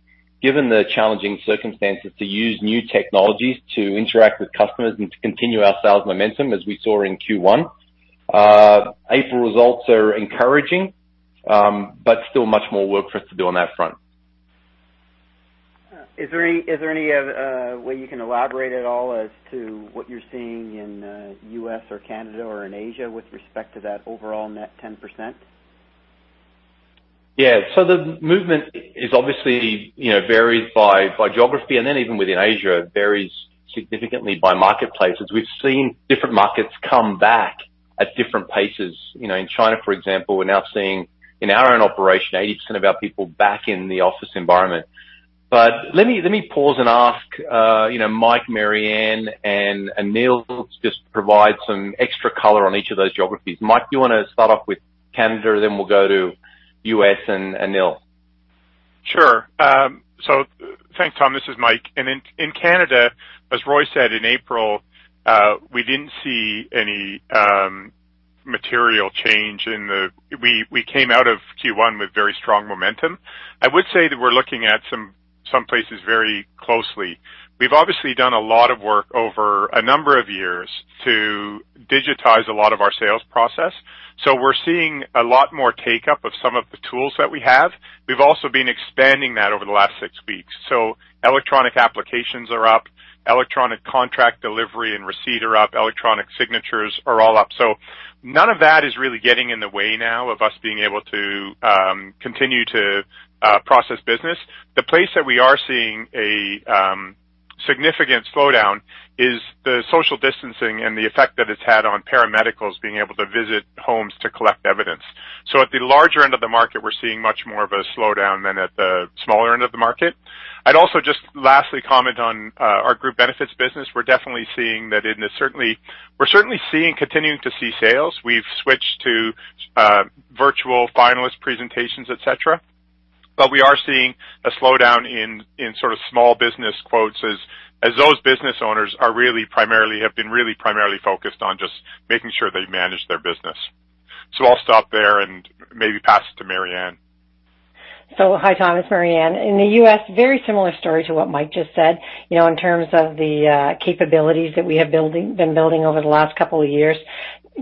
given the challenging circumstances, to use new technologies to interact with customers and to continue our sales momentum as we saw in Q1. April results are encouraging, but still much more work for us to do on that front. Is there any way you can elaborate at all as to what you're seeing in the U.S. or Canada or in Asia with respect to that overall net 10%? Yeah. The movement is obviously varied by geography, and then even within Asia, it varies significantly by marketplace. As we've seen different markets come back at different paces. In China, for example, we're now seeing, in our own operation, 80% of our people back in the office environment. Let me pause and ask Mike, Marianne, and Neil to just provide some extra color on each of those geographies. Mike, do you want to start off with Canada, then we will go to US and Neil? Sure. Thanks, Tom. This is Mike. In Canada, as Roy said, in April, we did not see any material change. We came out of Q1 with very strong momentum. I would say that we are looking at some places very closely. We have obviously done a lot of work over a number of years to digitize a lot of our sales process. We are seeing a lot more take-up of some of the tools that we have. We have also been expanding that over the last six weeks. Electronic applications are up. Electronic contract delivery and receipt are up. Electronic signatures are all up. None of that is really getting in the way now of us being able to continue to process business. The place that we are seeing a significant slowdown is the social distancing and the effect that it's had on paramedics being able to visit homes to collect evidence. At the larger end of the market, we're seeing much more of a slowdown than at the smaller end of the market. I'd also just lastly comment on our group benefits business. We're definitely seeing that in the certainly we're certainly seeing continuing to see sales. We've switched to virtual finalist presentations, etc. We are seeing a slowdown in sort of small business quotes as those business owners are really primarily have been really primarily focused on just making sure they manage their business. I'll stop there and maybe pass it to Marianne. Hi, Tom. It's Marianne.In the U.S., very similar story to what Mike just said in terms of the capabilities that we have been building over the last couple of years.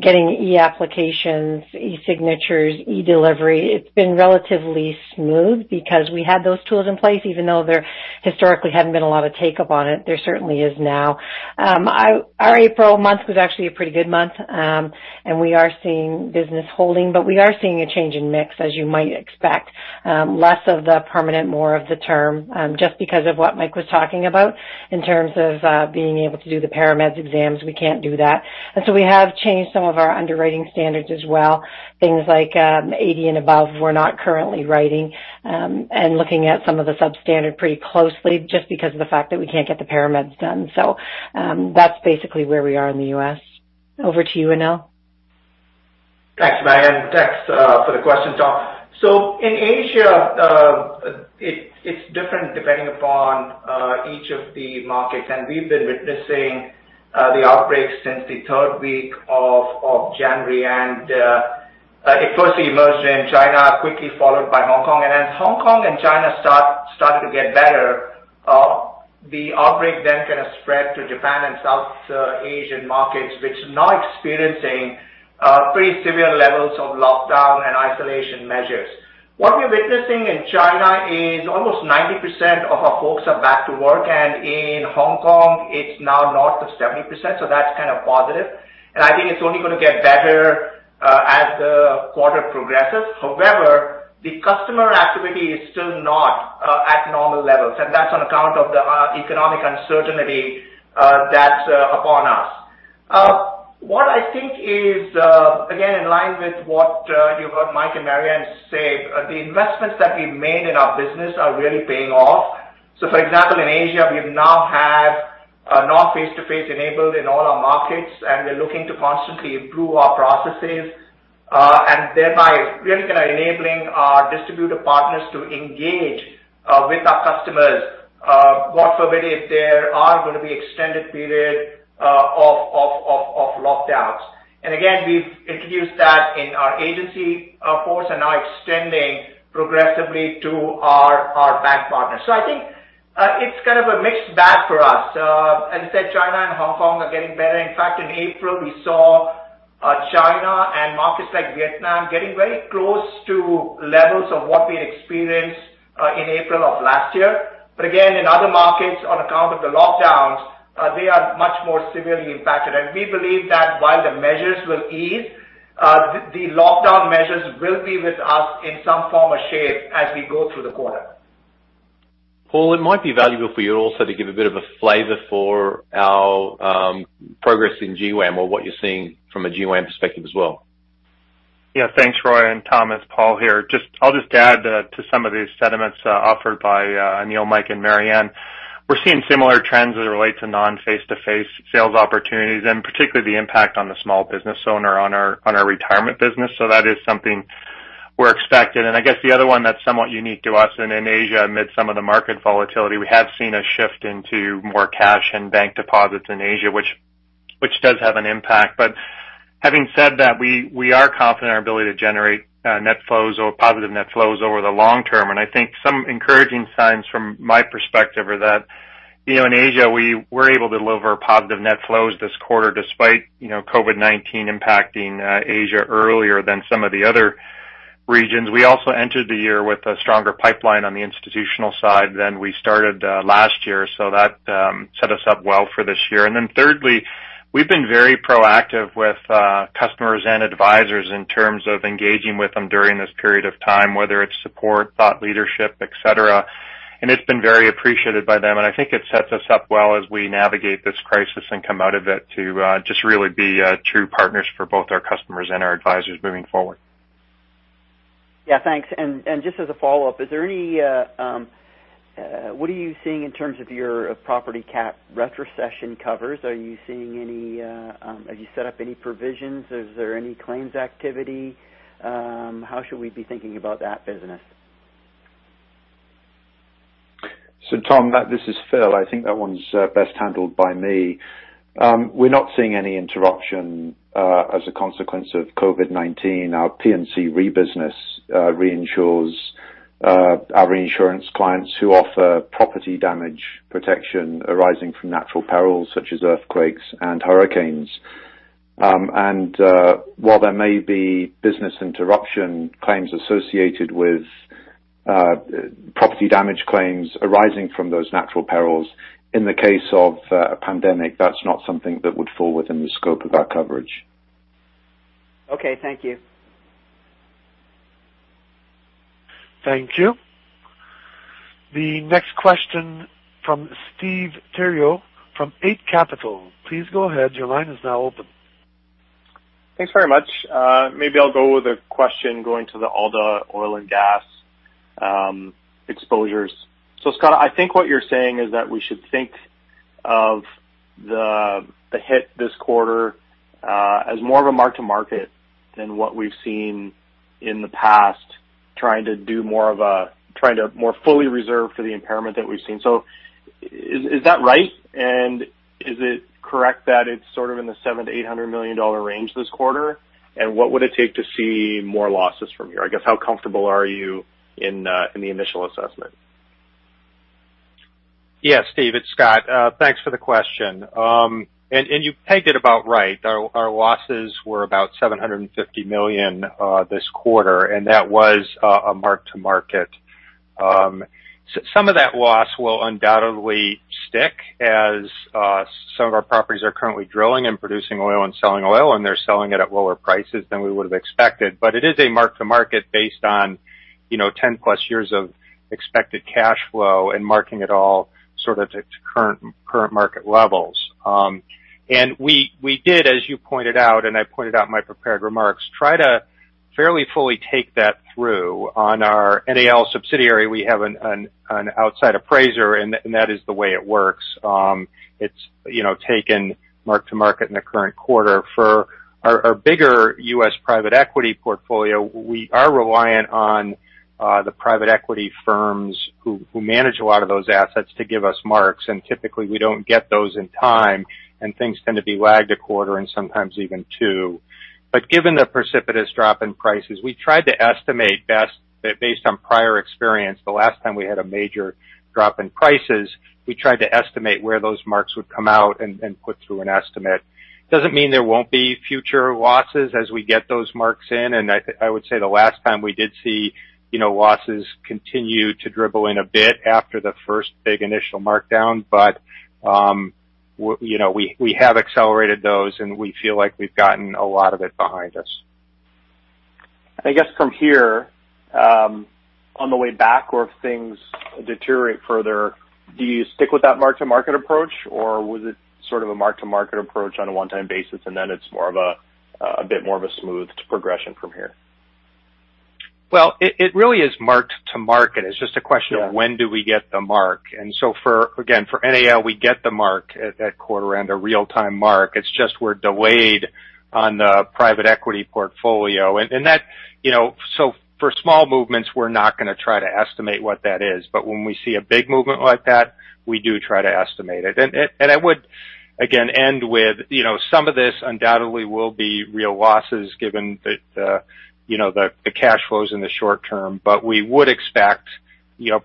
Getting e-applications, e-signatures, e-delivery, it has been relatively smooth because we had those tools in place. Even though there historically had not been a lot of take-up on it, there certainly is now. Our April month was actually a pretty good month, and we are seeing business holding, but we are seeing a change in mix, as you might expect. Less of the permanent, more of the term, just because of what Mike was talking about in terms of being able to do the paramedics exams. We cannot do that. We have changed some of our underwriting standards as well. Things like 80 and above, we're not currently writing and looking at some of the substandard pretty closely just because of the fact that we can't get the paramedics done. That is basically where we are in the U.S. Over to you, Anil. Thanks, Marianne. Thanks for the question, Tom. In Asia, it's different depending upon each of the markets. We've been witnessing the outbreak since the third week of January, and it first emerged in China, quickly followed by Hong Kong. As Hong Kong and China started to get better, the outbreak then kind of spread to Japan and South Asian markets, which are now experiencing pretty severe levels of lockdown and isolation measures. What we're witnessing in China is almost 90% of our folks are back to work, and in Hong Kong, it's now north of 70%. That is kind of positive. I think it's only going to get better as the quarter progresses. However, the customer activity is still not at normal levels, and that's on account of the economic uncertainty that's upon us. What I think is, again, in line with what you heard Mike and Marianne say, the investments that we've made in our business are really paying off. For example, in Asia, we now have non-face-to-face enabled in all our markets, and we're looking to constantly improve our processes and thereby really kind of enabling our distributor partners to engage with our customers, whether if there are going to be extended periods of lockdowns. Again, we've introduced that in our agency force and now extending progressively to our bank partners. I think it's kind of a mixed bag for us. As I said, China and Hong Kong are getting better. In fact, in April, we saw China and markets like Vietnam getting very close to levels of what we had experienced in April of last year. Again, in other markets, on account of the lockdowns, they are much more severely impacted. We believe that while the measures will ease, the lockdown measures will be with us in some form or shape as we go through the quarter. Paul, it might be valuable for you also to give a bit of a flavor for our progress in GWAM or what you're seeing from a GWAM perspective as well. Yeah, thanks, Roy and Tom, as Paul here. I'll just add to some of these sentiments offered by Anil, Mike, and Marianne. We're seeing similar trends as it relates to non-face-to-face sales opportunities and particularly the impact on the small business owner on our retirement business. That is something we're expecting. I guess the other one that's somewhat unique to us in Asia, amid some of the market volatility, we have seen a shift into more cash and bank deposits in Asia, which does have an impact. Having said that, we are confident in our ability to generate net flows or positive net flows over the long term. I think some encouraging signs from my perspective are that in Asia, we were able to deliver positive net flows this quarter despite COVID-19 impacting Asia earlier than some of the other regions. We also entered the year with a stronger pipeline on the institutional side than we started last year, so that set us up well for this year. Thirdly, we've been very proactive with customers and advisors in terms of engaging with them during this period of time, whether it's support, thought leadership, etc. It's been very appreciated by them. I think it sets us up well as we navigate this crisis and come out of it to just really be true partners for both our customers and our advisors moving forward. Yeah, thanks. Just as a follow-up, is there any, what are you seeing in terms of your property cap retrocession covers? Are you seeing any, have you set up any provisions? Is there any claims activity? How should we be thinking about that business? Tom, this is Phil. I think that one's best handled by me. We're not seeing any interruption as a consequence of COVID-19. Our P&C rebusiness reinsures our reinsurance clients who offer property damage protection arising from natural perils such as earthquakes and hurricanes. While there may be business interruption claims associated with property damage claims arising from those natural perils, in the case of a pandemic, that is not something that would fall within the scope of our coverage. Okay, thank you. Thank you. The next question from Steve Theriault from Eight Capital. Please go ahead. Your line is now open. Thanks very much. Maybe I'll go with a question going to the ALDA, oil and gas exposures. Scott, I think what you're saying is that we should think of the hit this quarter as more of a mark-to-market than what we've seen in the past, trying to do more of a trying to more fully reserve for the impairment that we've seen. Is that right? Is it correct that it's sort of in the $700 million-$800 million range this quarter? What would it take to see more losses from here? I guess, how comfortable are you in the initial assessment? Yeah, Steve, it's Scott. Thanks for the question. You pegged it about right. Our losses were about $750 million this quarter, and that was a mark-to-market. Some of that loss will undoubtedly stick as some of our properties are currently drilling and producing oil and selling oil, and they're selling it at lower prices than we would have expected. It is a mark-to-market based on 10-plus years of expected cash flow and marking it all sort of to current market levels. We did, as you pointed out, and I pointed out in my prepared remarks, try to fairly fully take that through. On our NAL subsidiary, we have an outside appraiser, and that is the way it works. It's taken mark-to-market in the current quarter. For our bigger US private equity portfolio, we are reliant on the private equity firms who manage a lot of those assets to give us marks. Typically, we do not get those in time, and things tend to be lagged a quarter and sometimes even two. Given the precipitous drop in prices, we tried to estimate best based on prior experience. The last time we had a major drop in prices, we tried to estimate where those marks would come out and put through an estimate. It does not mean there will not be future losses as we get those marks in. I would say the last time we did see losses continue to dribble in a bit after the first big initial markdown, but we have accelerated those, and we feel like we've gotten a lot of it behind us. I guess from here, on the way back or if things deteriorate further, do you stick with that mark-to-market approach, or was it sort of a mark-to-market approach on a one-time basis, and then it's more of a bit more of a smoothed progression from here? It really is marked to market. It's just a question of when do we get the mark. For, again, for NAL, we get the mark at that quarter-end, a real-time mark. It's just we're delayed on the private equity portfolio. For small movements, we're not going to try to estimate what that is. When we see a big movement like that, we do try to estimate it. I would, again, end with some of this undoubtedly will be real losses given the cash flows in the short term, but we would expect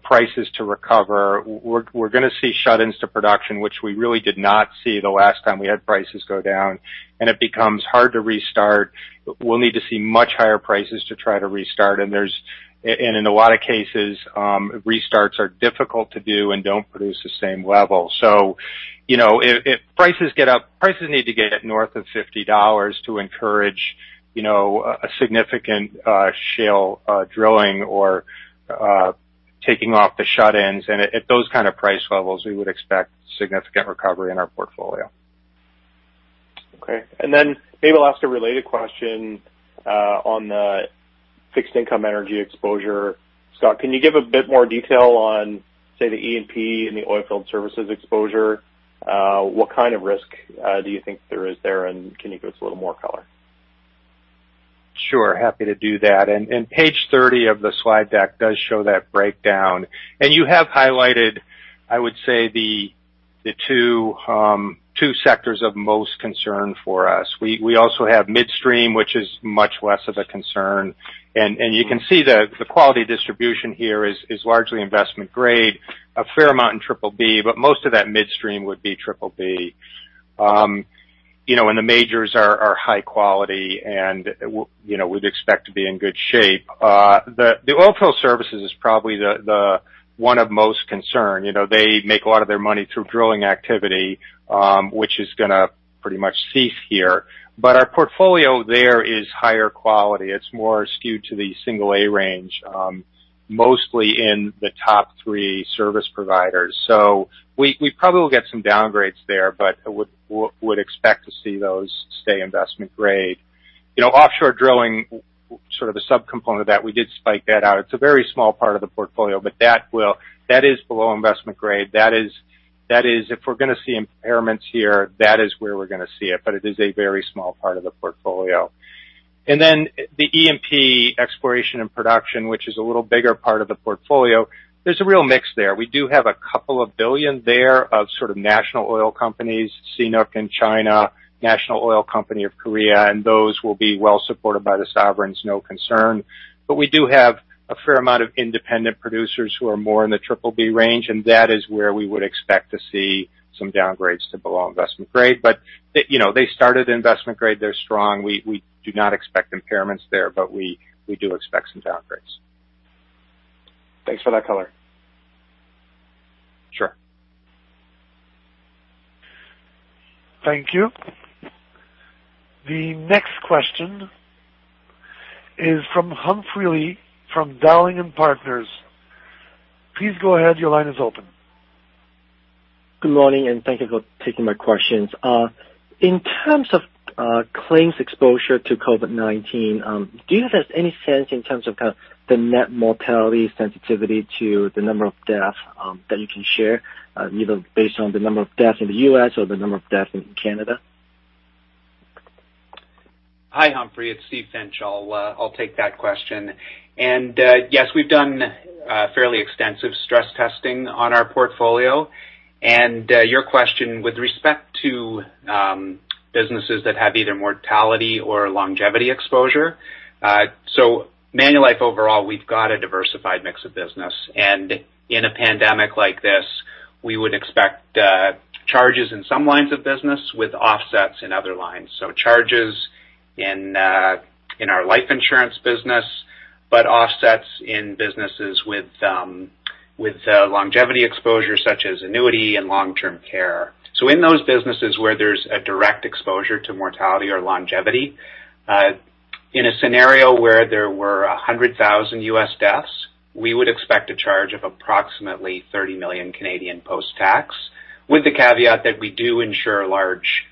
prices to recover. We are going to see shut-ins to production, which we really did not see the last time we had prices go down. It becomes hard to restart. We will need to see much higher prices to try to restart. In a lot of cases, restarts are difficult to do and do not produce the same level. If prices get up, prices need to get north of $50 to encourage significant shale drilling or taking off the shut-ins. At those kind of price levels, we would expect significant recovery in our portfolio. Okay. Maybe last, a related question on the fixed income energy exposure. Scott, can you give a bit more detail on, say, the E&P and the oilfield services exposure? What kind of risk do you think there is there? Can you give us a little more color? Sure. Happy to do that. Page 30 of the slide deck does show that breakdown. You have highlighted, I would say, the two sectors of most concern for us. We also have midstream, which is much less of a concern. You can see that the quality distribution here is largely investment grade, a fair amount in Triple B, but most of that midstream would be Triple B. The majors are high quality, and we would expect to be in good shape. The oilfield services is probably the one of most concern. They make a lot of their money through drilling activity, which is going to pretty much cease here. Our portfolio there is higher quality. It is more skewed to the single-A range, mostly in the top three service providers. We probably will get some downgrades there, but would expect to see those stay investment grade. Offshore drilling, sort of a subcomponent of that, we did spike that out. It is a very small part of the portfolio, but that is below investment grade. That is, if we are going to see impairments here, that is where we are going to see it, but it is a very small part of the portfolio. The E&P exploration and production, which is a little bigger part of the portfolio, there is a real mix there. We do have a couple of billion there of sort of national oil companies, CNOOC in China, National Oil Company of Korea, and those will be well supported by the sovereigns, no concern. We do have a fair amount of independent producers who are more in the Triple B range, and that is where we would expect to see some downgrades to below investment grade. They started investment grade. They're strong. We do not expect impairments there, but we do expect some downgrades. Thanks for that color. Sure. Thank you. The next question is from Humphrey Lee from Dowling & Partners. Please go ahead. Your line is open. Good morning, and thank you for taking my questions. In terms of claims exposure to COVID-19, do you have any sense in terms of kind of the net mortality sensitivity to the number of deaths that you can share, either based on the number of deaths in the U.S. or the number of deaths in Canada? Hi, Humphrey. It's Steve Finch. I'll take that question. Yes, we've done fairly extensive stress testing on our portfolio. Your question with respect to businesses that have either mortality or longevity exposure, so Manulife overall, we've got a diversified mix of business. In a pandemic like this, we would expect charges in some lines of business with offsets in other lines. Charges in our life insurance business, but offsets in businesses with longevity exposure such as annuity and long-term care. In those businesses where there's a direct exposure to mortality or longevity, in a scenario where there were 100,000 U.S. deaths, we would expect a charge of approximately 30 million post-tax, with the caveat that we do insure large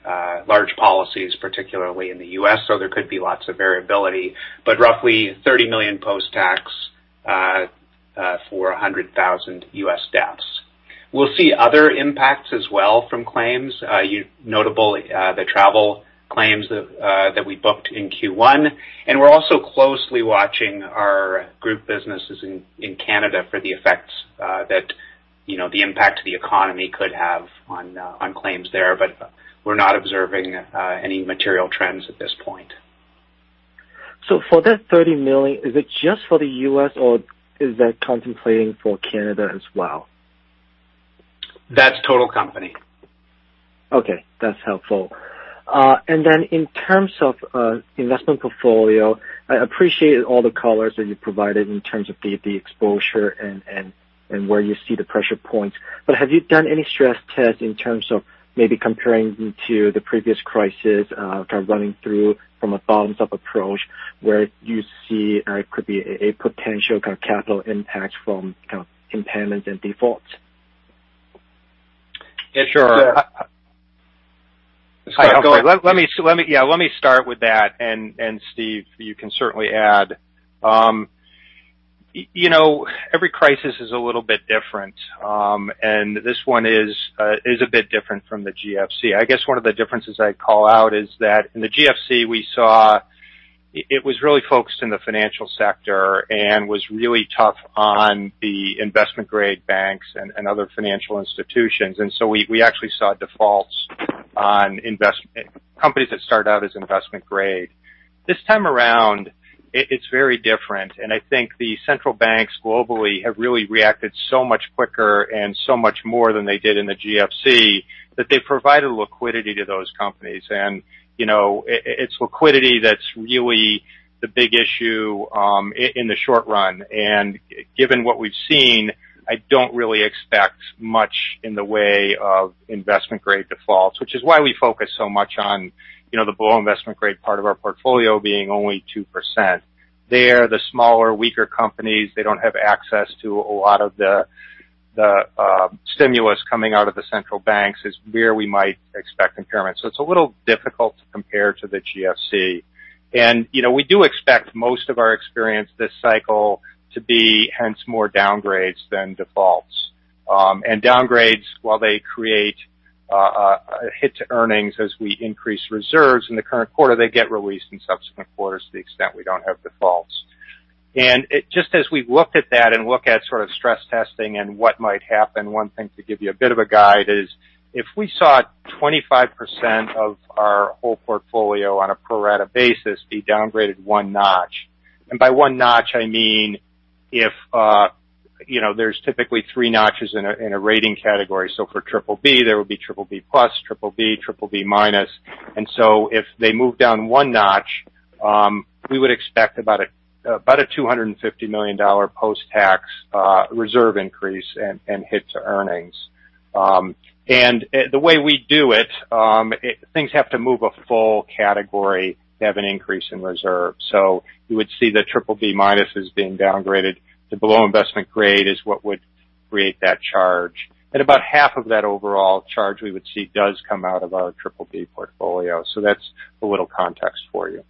policies, particularly in the U.S., so there could be lots of variability, but roughly 30 million post-tax for 100,000 U.S. deaths. We'll see other impacts as well from claims, notably the travel claims that we booked in Q1. We're also closely watching our group businesses in Canada for the effects that the impact the economy could have on claims there, but we're not observing any material trends at this point. For that 30 million, is it just for the U.S., or is that contemplating for Canada as well? That's total company. Okay. That's helpful. In terms of investment portfolio, I appreciate all the colors that you provided in terms of the exposure and where you see the pressure points. Have you done any stress tests in terms of maybe comparing to the previous crisis, kind of running through from a bottoms-up approach where you see there could be a potential kind of capital impact from kind of impairments and defaults? Yeah, sure. Scott, go ahead. Yeah, let me start with that. And Steve, you can certainly add. Every crisis is a little bit different, and this one is a bit different from the GFC. I guess one of the differences I'd call out is that in the GFC, we saw it was really focused in the financial sector and was really tough on the investment-grade banks and other financial institutions. We actually saw defaults on companies that started out as investment-grade. This time around, it's very different. I think the central banks globally have really reacted so much quicker and so much more than they did in the GFC that they've provided liquidity to those companies. It's liquidity that's really the big issue in the short run. Given what we've seen, I don't really expect much in the way of investment-grade defaults, which is why we focus so much on the below investment-grade part of our portfolio being only 2%. There, the smaller, weaker companies, they don't have access to a lot of the stimulus coming out of the central banks is where we might expect impairments. It's a little difficult to compare to the GFC. We do expect most of our experience this cycle to be hence more downgrades than defaults. Downgrades, while they create a hit to earnings as we increase reserves in the current quarter, get released in subsequent quarters to the extent we do not have defaults. Just as we look at that and look at sort of stress testing and what might happen, one thing to give you a bit of a guide is if we saw 25% of our whole portfolio on a pro-rata basis be downgraded one notch. By one notch, I mean if there are typically three notches in a rating category. For Triple B, there would be Triple B Plus, Triple B, Triple B Minus. If they move down one notch, we would expect about a $250 million post-tax reserve increase and hit to earnings. The way we do it, things have to move a full category to have an increase in reserve. You would see the Triple B Minus is being downgraded. The below investment grade is what would create that charge. About half of that overall charge we would see does come out of our Triple B portfolio. That's a little context for you.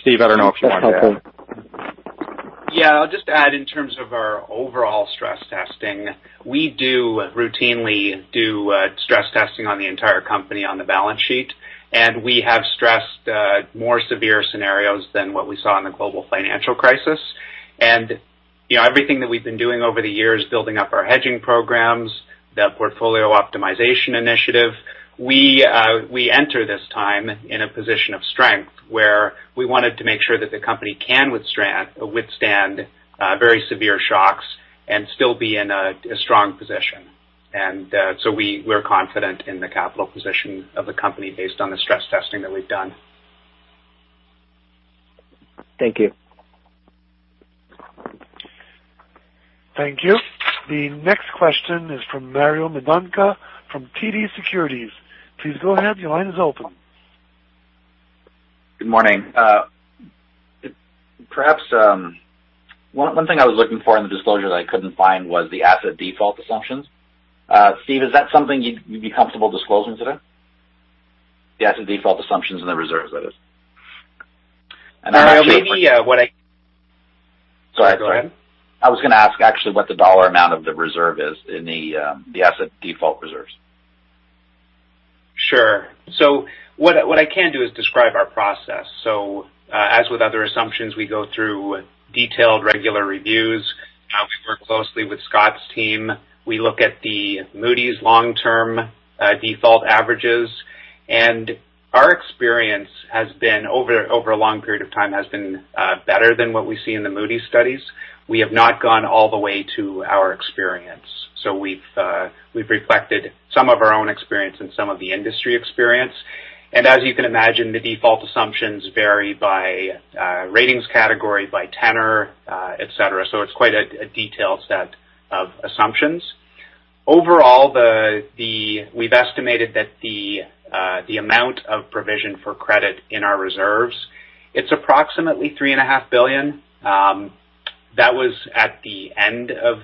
Steve, I don't know if you want to add. Yeah, I'll just add in terms of our overall stress testing. We do routinely do stress testing on the entire company on the balance sheet. We have stressed more severe scenarios than what we saw in the global financial crisis. Everything that we've been doing over the years, building up our hedging programs, the portfolio optimization initiative, we enter this time in a position of strength where we wanted to make sure that the company can withstand very severe shocks and still be in a strong position. We're confident in the capital position of the company based on the stress testing that we've done. Thank you. Thank you. The next question is from Mario Mendonca from TD Securities. Please go ahead. Your line is open. Good morning. Perhaps one thing I was looking for in the disclosure that I couldn't find was the asset default assumptions. Steve, is that something you'd be comfortable disclosing today? The asset default assumptions and the reserves, that is. Actually, what I— Sorry, go ahead. I was going to ask actually what the dollar amount of the reserve is in the asset default reserves. Sure. What I can do is describe our process. As with other assumptions, we go through detailed regular reviews. We work closely with Scott's team. We look at the Moody's long-term default averages. Our experience has been, over a long period of time, better than what we see in the Moody's studies. We have not gone all the way to our experience. We have reflected some of our own experience and some of the industry experience. As you can imagine, the default assumptions vary by ratings category, by tenor, etc. It is quite a detailed set of assumptions. Overall, we have estimated that the amount of provision for credit in our reserves is approximately 3.5 billion. That was at the end of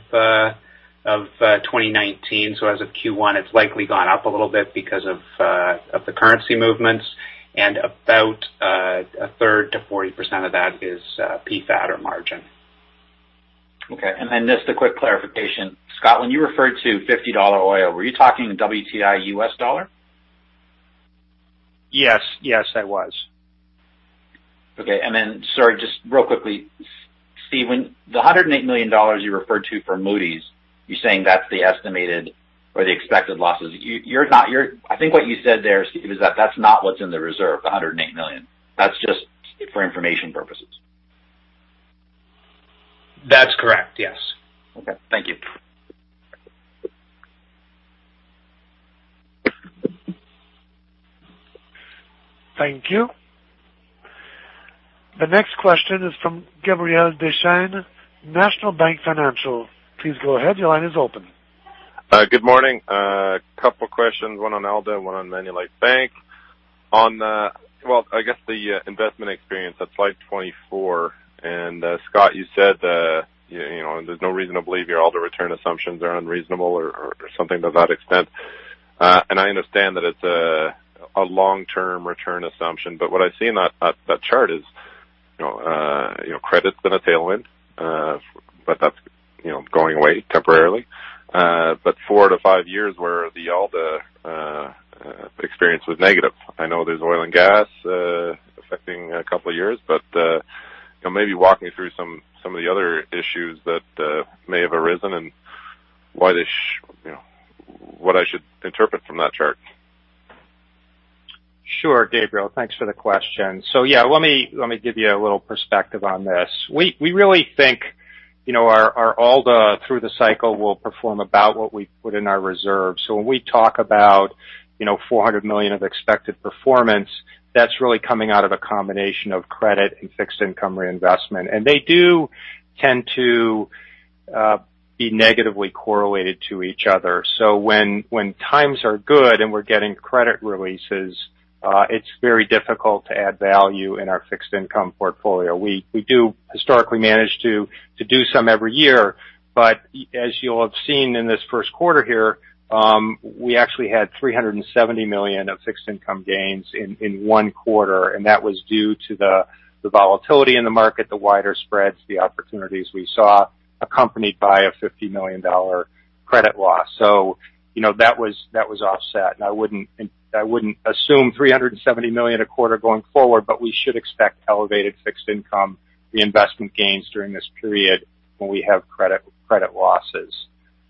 2019. As of Q1, it has likely gone up a little bit because of the currency movements. About one-third to 40% of that is PFAT or margin. Okay. Just a quick clarification. Scott, when you referred to $50 oil, were you talking WTI US dollar? Yes. Yes, I was. Okay. Sorry, just real quickly, Steve, when the $108 million you referred to for Moody's, you're saying that's the estimated or the expected losses. I think what you said there, Steve, is that that's not what's in the reserve, the $108 million. That's just for information purposes. That's correct. Yes. Okay. Thank you. Thank you. The next question is from Gabriel Dechaine, National Bank Financial. Please go ahead. Your line is open. Good morning. A couple of questions. One on ALDA, one on Manulife Bank. I guess the investment experience, that's slide 24. Scott, you said there's no reason to believe your ALDA return assumptions are unreasonable or something to that extent. I understand that it's a long-term return assumption. What I see in that chart is credit's been a tailwind, but that's going away temporarily. For four to five years where the ALDA experience was negative. I know there is oil and gas affecting a couple of years, but maybe walk me through some of the other issues that may have arisen and what I should interpret from that chart. Sure, Gabriel. Thanks for the question. Let me give you a little perspective on this. We really think our ALDA through the cycle will perform about what we put in our reserves. When we talk about $400 million of expected performance, that is really coming out of a combination of credit and fixed income reinvestment. They do tend to be negatively correlated to each other. When times are good and we are getting credit releases, it is very difficult to add value in our fixed income portfolio. We do historically manage to do some every year, but as you'll have seen in this first quarter here, we actually had 370 million of fixed income gains in one quarter. That was due to the volatility in the market, the wider spreads, the opportunities we saw, accompanied by a 50 million dollar credit loss. That was offset. I wouldn't assume 370 million a quarter going forward, but we should expect elevated fixed income reinvestment gains during this period when we have credit losses.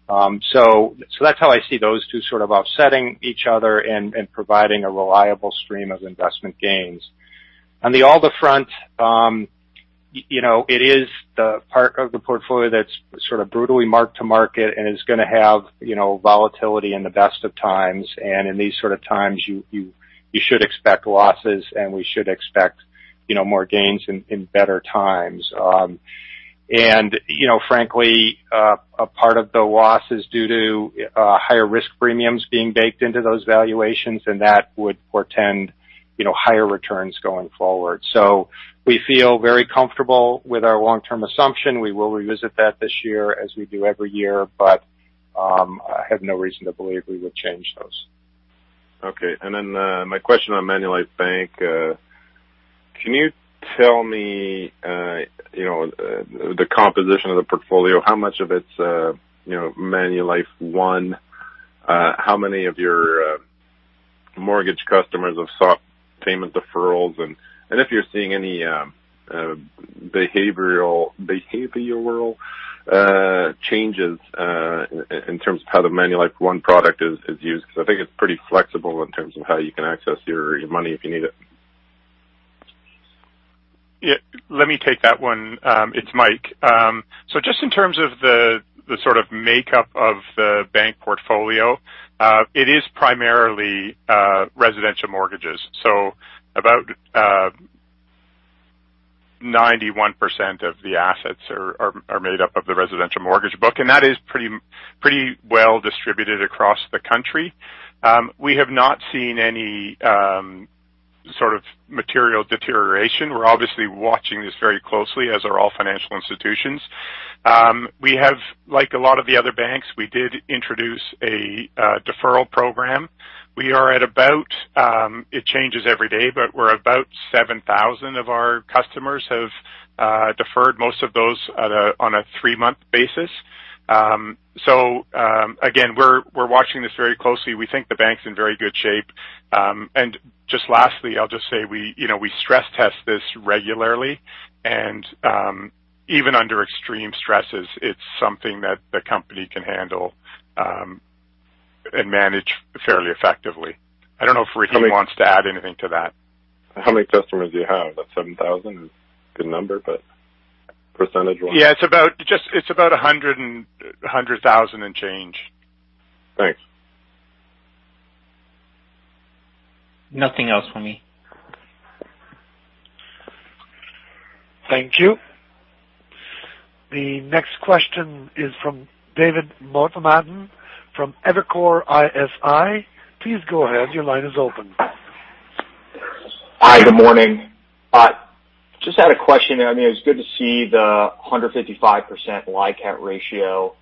That's how I see those two sort of offsetting each other and providing a reliable stream of investment gains. On the ALDA front, it is the part of the portfolio that's sort of brutally marked to market and is going to have volatility in the best of times. In these sort of times, you should expect losses, and we should expect more gains in better times. Frankly, a part of the loss is due to higher risk premiums being baked into those valuations, and that would portend higher returns going forward. We feel very comfortable with our long-term assumption. We will revisit that this year as we do every year, but I have no reason to believe we would change those. Okay. My question on Manulife Bank, can you tell me the composition of the portfolio? How much of it is Manulife One? How many of your mortgage customers have sought payment deferrals? Are you seeing any behavioral changes in terms of how the Manulife One product is used, because I think it is pretty flexible in terms of how you can access your money if you need it. Yeah. Let me take that one. It's Mike. Just in terms of the sort of makeup of the bank portfolio, it is primarily residential mortgages. About 91% of the assets are made up of the residential mortgage book. That is pretty well distributed across the country. We have not seen any sort of material deterioration. We're obviously watching this very closely, as are all financial institutions. Like a lot of the other banks, we did introduce a deferral program. We are at about—it changes every day—but about 7,000 of our customers have deferred, most of those on a three-month basis. We're watching this very closely. We think the bank's in very good shape. Lastly, I'll just say we stress test this regularly. Even under extreme stresses, it's something that the company can handle and manage fairly effectively. I don't know if Roy Gori wants to add anything to that. How many customers do you have? Is that 7,000? It's a good number, but percentage-wise. Yeah, it's about 100,000 and change. Thanks. Nothing else from me. Thank you. The next question is from David Motemaden from Evercore ISI. Please go ahead. Your line is open. Hi. Good morning. Just had a question. I mean, it was good to see the 155% LICAT ratio,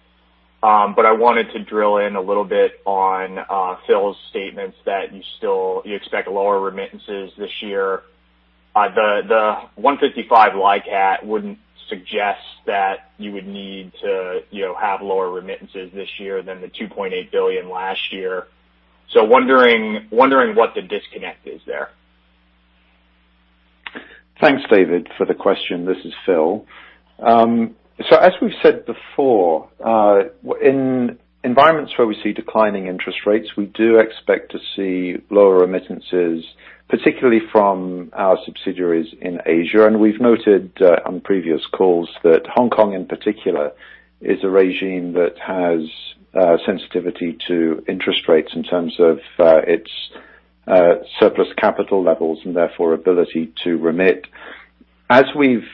but I wanted to drill in a little bit on Phil's statements that you expect lower remittances this year. The 155% LICAT wouldn't suggest that you would need to have lower remittances this year than the $2.8 billion last year. Wondering what the disconnect is there. Thanks, David, for the question. This is Phil. As we've said before, in environments where we see declining interest rates, we do expect to see lower remittances, particularly from our subsidiaries in Asia. We've noted on previous calls that Hong Kong, in particular, is a regime that has sensitivity to interest rates in terms of its surplus capital levels and therefore ability to remit. As we've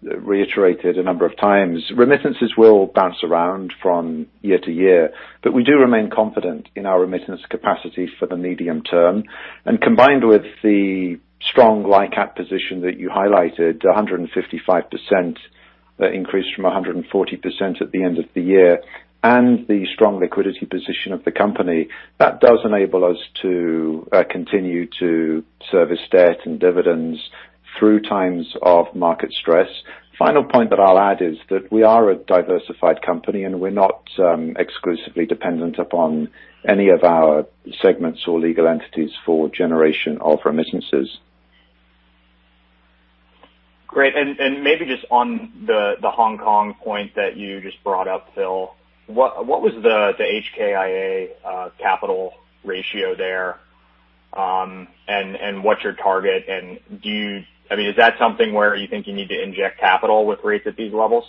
reiterated a number of times, remittances will bounce around from year to year, but we do remain confident in our remittance capacity for the medium term. Combined with the strong LICAT position that you highlighted, the 155% increase from 140% at the end of the year, and the strong liquidity position of the company, that does enable us to continue to service debt and dividends through times of market stress. Final point that I'll add is that we are a diversified company, and we're not exclusively dependent upon any of our segments or legal entities for generation of remittances. Great. Maybe just on the Hong Kong point that you just brought up, Phil, what was the HKIA capital ratio there and what's your target? I mean, is that something where you think you need to inject capital with rates at these levels?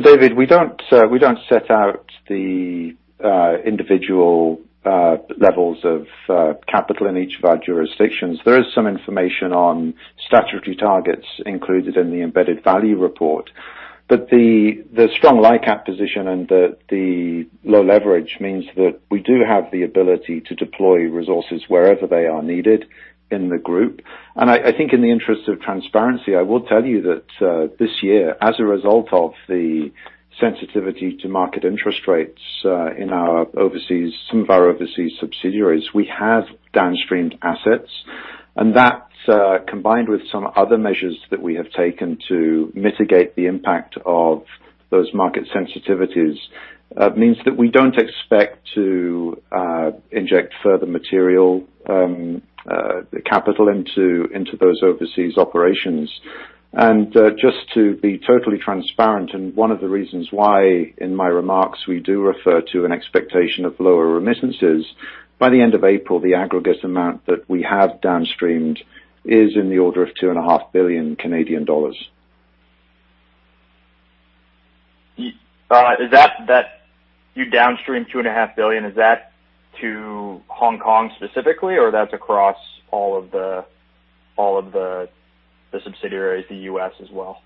David, we don't set out the individual levels of capital in each of our jurisdictions. There is some information on statutory targets included in the embedded value report. The strong LICAT position and the low leverage means that we do have the ability to deploy resources wherever they are needed in the group. I think in the interest of transparency, I will tell you that this year, as a result of the sensitivity to market interest rates in some of our overseas subsidiaries, we have downstream assets. That, combined with some other measures that we have taken to mitigate the impact of those market sensitivities, means that we do not expect to inject further material capital into those overseas operations. Just to be totally transparent, and one of the reasons why in my remarks we do refer to an expectation of lower remittances, by the end of April, the aggregate amount that we have downstreamed is in the order of 2.5 billion Canadian dollars. Is that you downstream 2.5 billion, is that to Hong Kong specifically, or that is across all of the subsidiaries, the U.S. as well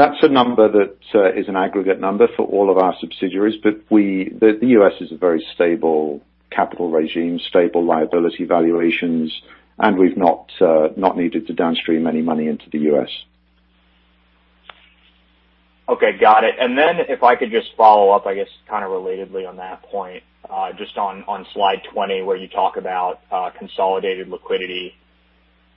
That is a number that is an aggregate number for all of our subsidiaries. The US is a very stable capital regime, stable liability valuations, and we've not needed to downstream any money into the US. Okay. Got it. If I could just follow up, I guess kind of relatedly on that point, just on slide 20 where you talk about consolidated liquidity.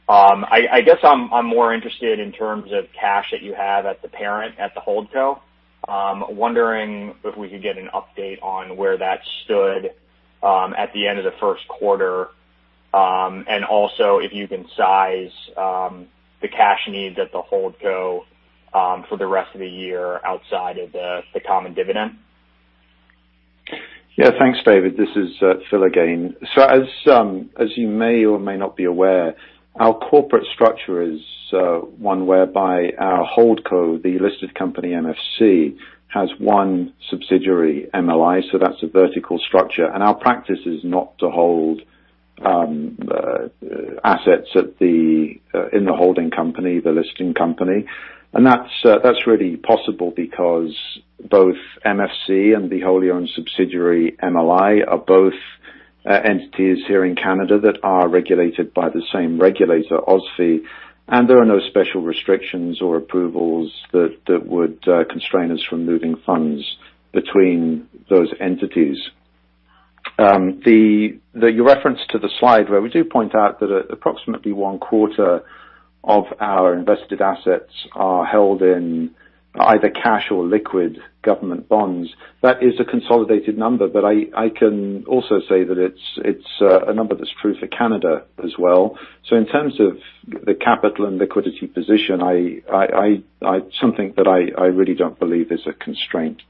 I guess I'm more interested in terms of cash that you have at the parent, at the hold co. Wondering if we could get an update on where that stood at the end of the first quarter, and also if you can size the cash needs at the hold co for the rest of the year outside of the common dividend. Yeah. Thanks, David. This is Phil again. As you may or may not be aware, our corporate structure is one whereby our hold co, the listed company MFC, has one subsidiary MLI. That's a vertical structure. Our practice is not to hold assets in the holding company, the listing company. That's really possible because both MFC and the wholly owned subsidiary MLI are both entities here in Canada that are regulated by the same regulator, OSFI. There are no special restrictions or approvals that would constrain us from moving funds between those entities. Your reference to the slide where we do point out that approximately one quarter of our invested assets are held in either cash or liquid government bonds. That is a consolidated number, but I can also say that it's a number that's true for Canada as well. In terms of the capital and liquidity position, it's something that I really don't believe is a constraint.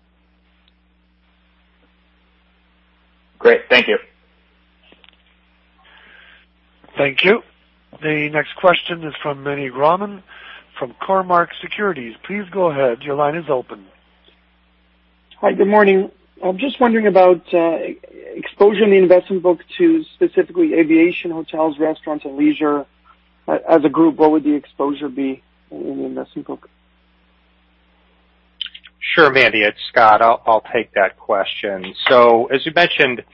Great. Thank you. Thank you. The next question is from Meny Grauman from Cormark Securities. Please go ahead. Your line is open. Hi. Good morning. I'm just wondering about exposure in the investment book to specifically aviation, hotels, restaurants, and leisure. As a group, what would the exposure be in the investment book? Sure, Meny. It's Scott. I'll take that question. As you mentioned,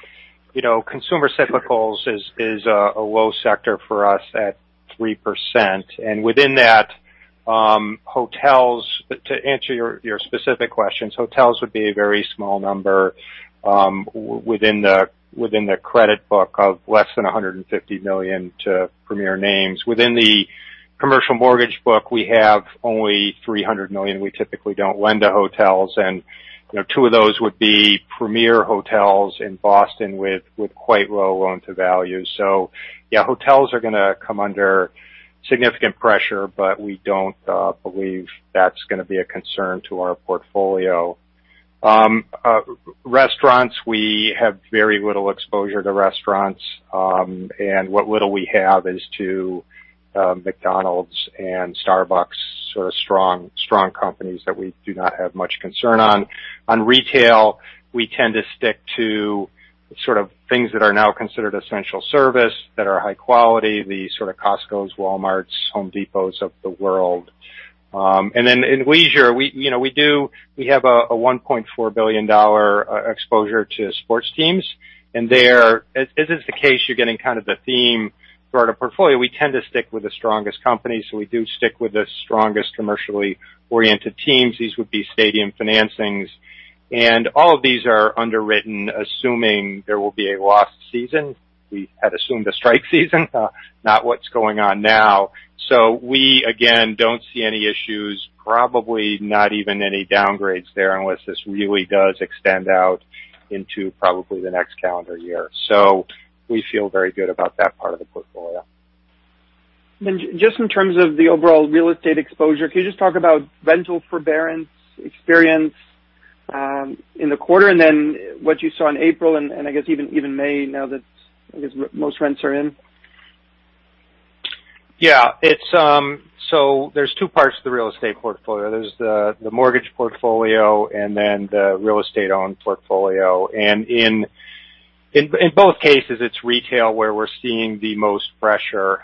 consumer cyclicals is a low sector for us at 3%. Within that, hotels, to answer your specific questions, hotels would be a very small number within the credit book of less than $150 million to premier names. Within the commercial mortgage book, we have only $300 million. We typically don't lend to hotels. Two of those would be premier hotels in Boston with quite low loan-to-value. Hotels are going to come under significant pressure, but we don't believe that's going to be a concern to our portfolio. Restaurants, we have very little exposure to restaurants. What little we have is to McDonald's and Starbucks, sort of strong companies that we do not have much concern on. On retail, we tend to stick to sort of things that are now considered essential service that are high quality, the sort of Costcos, Walmarts, Home Depots of the world. In leisure, we have a $1.4 billion exposure to sports teams. As is the case, you're getting kind of the theme throughout our portfolio, we tend to stick with the strongest companies. We do stick with the strongest commercially oriented teams. These would be stadium financings. All of these are underwritten, assuming there will be a lost season. We had assumed a strike season, not what's going on now. We, again, do not see any issues, probably not even any downgrades there unless this really does extend out into probably the next calendar year. We feel very good about that part of the portfolio. Just in terms of the overall real estate exposure, can you just talk about rental forbearance experience in the quarter and then what you saw in April and I guess even May now that I guess most rents are in? Yeah. There are two parts to the real estate portfolio. There is the mortgage portfolio and then the real estate-owned portfolio. In both cases, it is retail where we are seeing the most pressure.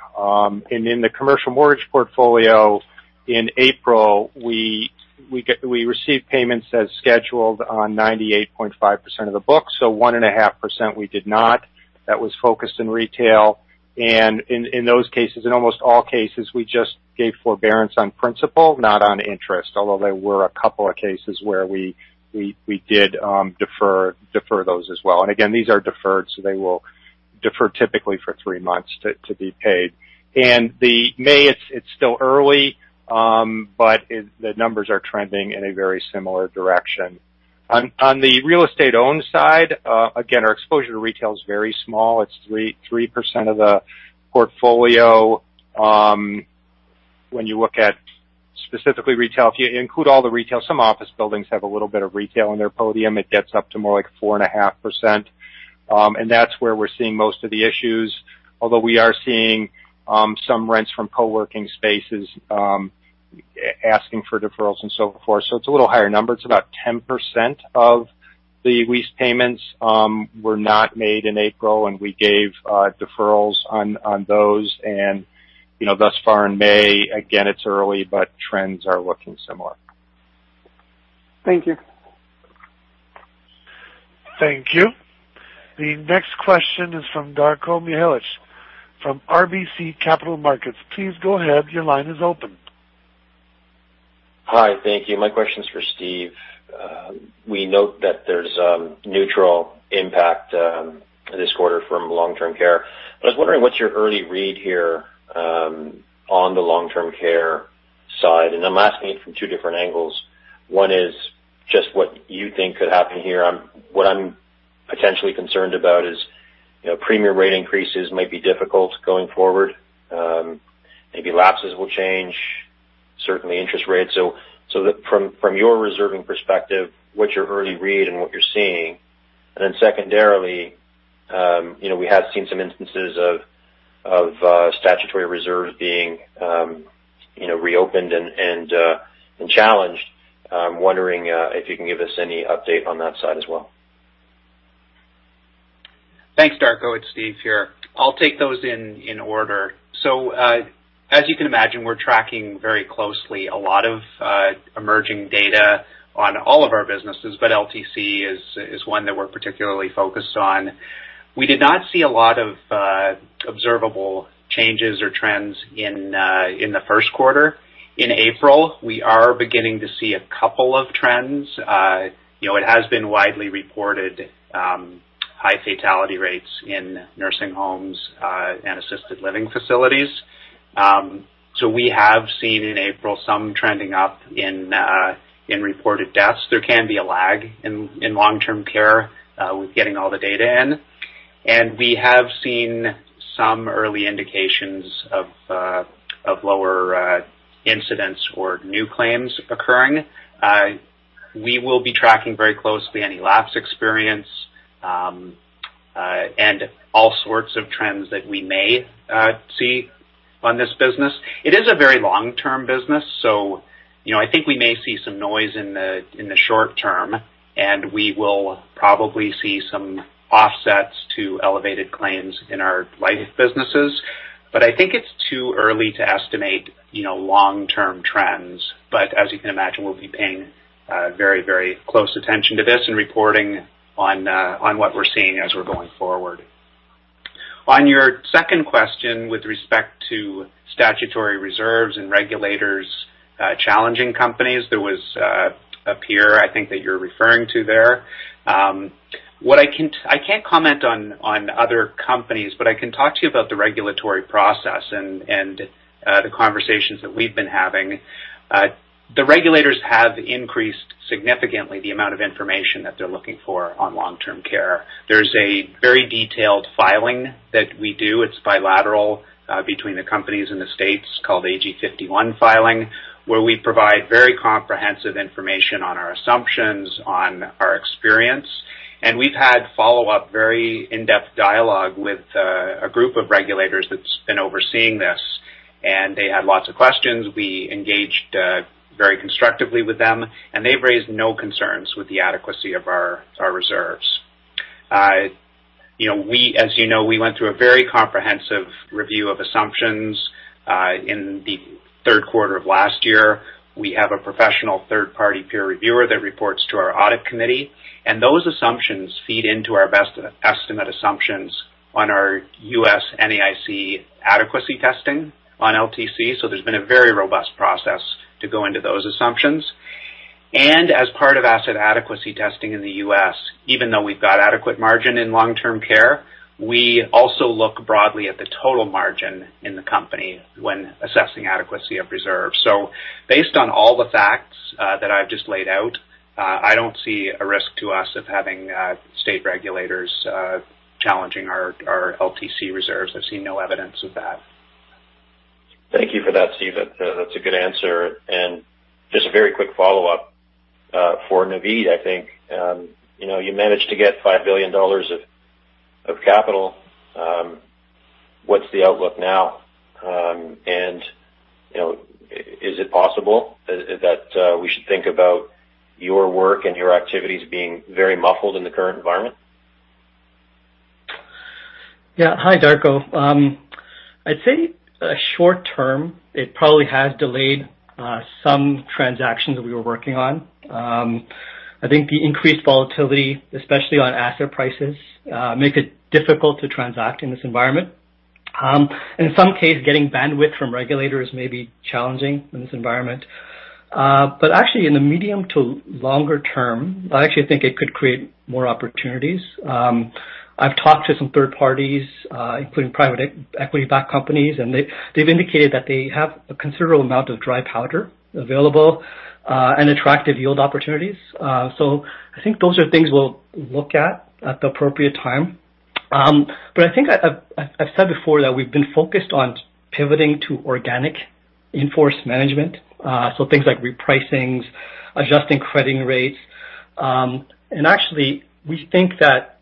In the commercial mortgage portfolio, in April, we received payments as scheduled on 98.5% of the book. So 1.5% we did not. That was focused in retail. In those cases, in almost all cases, we just gave forbearance on principal, not on interest, although there were a couple of cases where we did defer those as well. Again, these are deferred, so they will defer typically for three months to be paid. The May, it's still early, but the numbers are trending in a very similar direction. On the real estate-owned side, our exposure to retail is very small. It's 3% of the portfolio. When you look at specifically retail, if you include all the retail, some office buildings have a little bit of retail in their podium. It gets up to more like 4.5%. That's where we're seeing most of the issues. Although we are seeing some rents from co-working spaces asking for deferrals and so forth. It's a little higher number. It's about 10% of the lease payments were not made in April, and we gave deferrals on those. Thus far in May, again, it's early, but trends are looking similar. Thank you. Thank you. The next question is from Darko Mihelic from RBC Capital Markets. Please go ahead. Your line is open. Hi. Thank you. My question's for Steve. We note that there's neutral impact this quarter from long-term care. I was wondering what's your early read here on the long-term care side. I'm asking it from two different angles. One is just what you think could happen here. What I'm potentially concerned about is premier rate increases might be difficult going forward. Maybe lapses will change, certainly interest rates. From your reserving perspective, what's your early read and what you're seeing? Secondarily, we have seen some instances of statutory reserves being reopened and challenged. I'm wondering if you can give us any update on that side as well. Thanks, Darko. It's Steve here. I'll take those in order. As you can imagine, we're tracking very closely a lot of emerging data on all of our businesses, but LTC is one that we're particularly focused on. We did not see a lot of observable changes or trends in the first quarter. In April, we are beginning to see a couple of trends. It has been widely reported high fatality rates in nursing homes and assisted living facilities. We have seen in April some trending up in reported deaths. There can be a lag in long-term care with getting all the data in. We have seen some early indications of lower incidents or new claims occurring. We will be tracking very closely any lapse experience and all sorts of trends that we may see on this business. It is a very long-term business, so I think we may see some noise in the short term, and we will probably see some offsets to elevated claims in our life businesses. I think it's too early to estimate long-term trends. As you can imagine, we'll be paying very, very close attention to this and reporting on what we're seeing as we're going forward. On your second question with respect to statutory reserves and regulators challenging companies, there was a peer, I think, that you're referring to there. I can't comment on other companies, but I can talk to you about the regulatory process and the conversations that we've been having. The regulators have increased significantly the amount of information that they're looking for on long-term care. There's a very detailed filing that we do. It's bilateral between the companies and the states called AG51 filing, where we provide very comprehensive information on our assumptions, on our experience. We have had follow-up, very in-depth dialogue with a group of regulators that's been overseeing this. They had lots of questions. We engaged very constructively with them, and they've raised no concerns with the adequacy of our reserves. As you know, we went through a very comprehensive review of assumptions in the third quarter of last year. We have a professional third-party peer reviewer that reports to our audit committee. Those assumptions feed into our best estimate assumptions on our US NAIC adequacy testing on LTC. There has been a very robust process to go into those assumptions. As part of asset adequacy testing in the U.S., even though we've got adequate margin in long-term care, we also look broadly at the total margin in the company when assessing adequacy of reserves. Based on all the facts that I've just laid out, I don't see a risk to us of having state regulators challenging our LTC reserves. I've seen no evidence of that. Thank you for that, Steve. That's a good answer. Just a very quick follow-up for Naveed, I think. You managed to get $5 billion of capital. What's the outlook now? Is it possible that we should think about your work and your activities being very muffled in the current environment? Yeah. Hi, Darko. I'd say short-term, it probably has delayed some transactions that we were working on. I think the increased volatility, especially on asset prices, makes it difficult to transact in this environment. In some cases, getting bandwidth from regulators may be challenging in this environment. Actually, in the medium to longer term, I actually think it could create more opportunities. I've talked to some third parties, including private equity-backed companies, and they've indicated that they have a considerable amount of dry powder available and attractive yield opportunities. I think those are things we'll look at at the appropriate time. I think I've said before that we've been focused on pivoting to organic enforced management, so things like repricings, adjusting crediting rates. Actually, we think that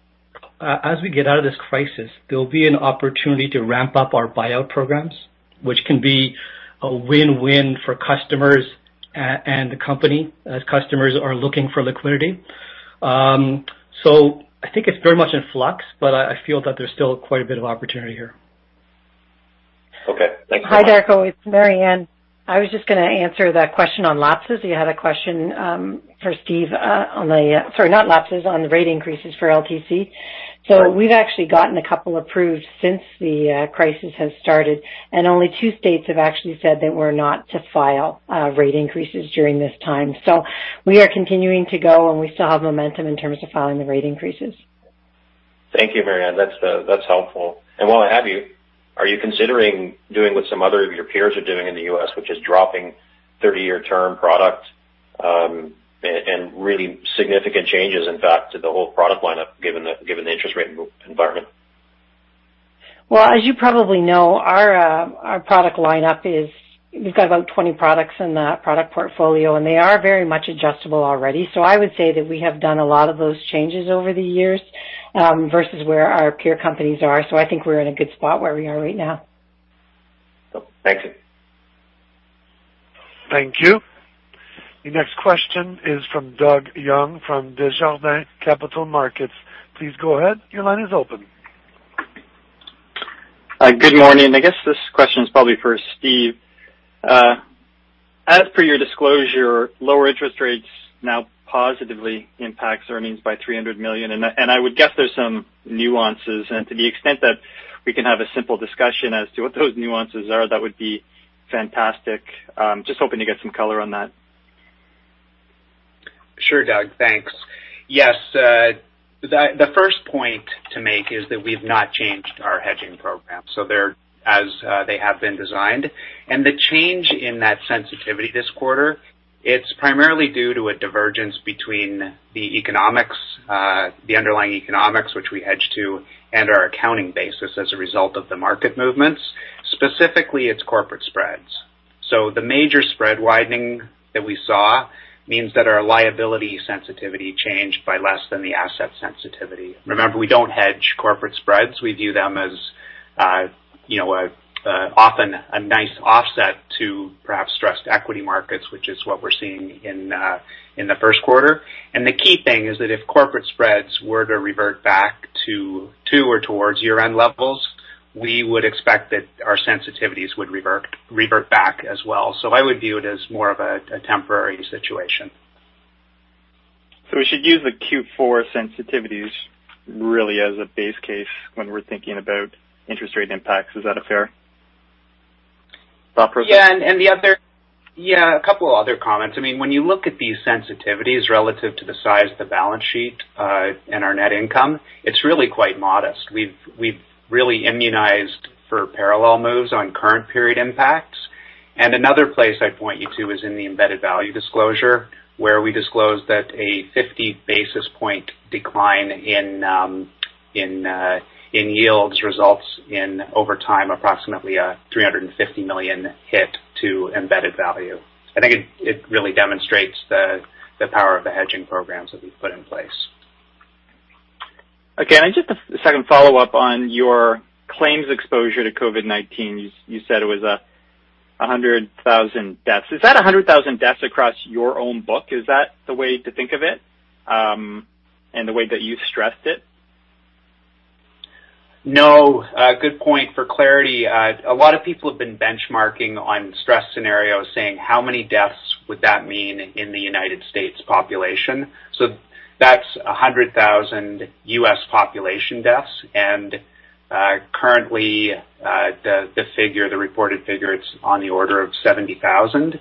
as we get out of this crisis, there'll be an opportunity to ramp up our buyout programs, which can be a win-win for customers and the company as customers are looking for liquidity. I think it's very much in flux, but I feel that there's still quite a bit of opportunity here. Okay. Thanks for that. Hi, Darko. It's Marianne. I was just going to answer that question on lapses. You had a question for Steve on the, sorry, not lapses, on rate increases for LTC. We've actually gotten a couple approved since the crisis has started, and only two states have actually said they were not to file rate increases during this time. We are continuing to go, and we still have momentum in terms of filing the rate increases. Thank you, Marianne. That's helpful. While I have you, are you considering doing what some other of your peers are doing in the U.S., which is dropping 30-year term product and really significant changes, in fact, to the whole product lineup given the interest rate environment? As you probably know, our product lineup is—we have about 20 products in the product portfolio, and they are very much adjustable already. I would say that we have done a lot of those changes over the years versus where our peer companies are. I think we are in a good spot where we are right now. Thank you. Thank you. The next question is from Doug Young from Desjardins Capital Markets. Please go ahead. Your line is open. Good morning. I guess this question is probably for Steve. As per your disclosure, lower interest rates now positively impact earnings by $300 million. I would guess there are some nuances. To the extent that we can have a simple discussion as to what those nuances are, that would be fantastic. Just hoping to get some color on that. Sure, Doug. Thanks. Yes. The first point to make is that we've not changed our hedging program. They are as they have been designed. The change in that sensitivity this quarter is primarily due to a divergence between the economics, the underlying economics, which we hedge to, and our accounting basis as a result of the market movements. Specifically, it is corporate spreads. The major spread widening that we saw means that our liability sensitivity changed by less than the asset sensitivity. Remember, we do not hedge corporate spreads. We view them as often a nice offset to perhaps stressed equity markets, which is what we are seeing in the first quarter. The key thing is that if corporate spreads were to revert back to or towards year-end levels, we would expect that our sensitivities would revert back as well. I would view it as more of a temporary situation. We should use the Q4 sensitivities really as a base case when we're thinking about interest rate impacts. Is that a fair thought process? Yeah. The other—a couple of other comments. I mean, when you look at these sensitivities relative to the size of the balance sheet and our net income, it's really quite modest. We've really immunized for parallel moves on current period impacts. Another place I'd point you to is in the embedded value disclosure, where we disclose that a 50 basis point decline in yields results in, over time, approximately a $350 million hit to embedded value. I think it really demonstrates the power of the hedging programs that we've put in place. Again, just a second follow-up on your claims exposure to COVID-19. You said it was 100,000 deaths. Is that 100,000 deaths across your own book? Is that the way to think of it and the way that you stressed it? No. Good point. For clarity, a lot of people have been benchmarking on stress scenarios saying, "How many deaths would that mean in the U.S. population?" That is 100,000 U.S. population deaths. Currently, the reported figure is on the order of 70,000.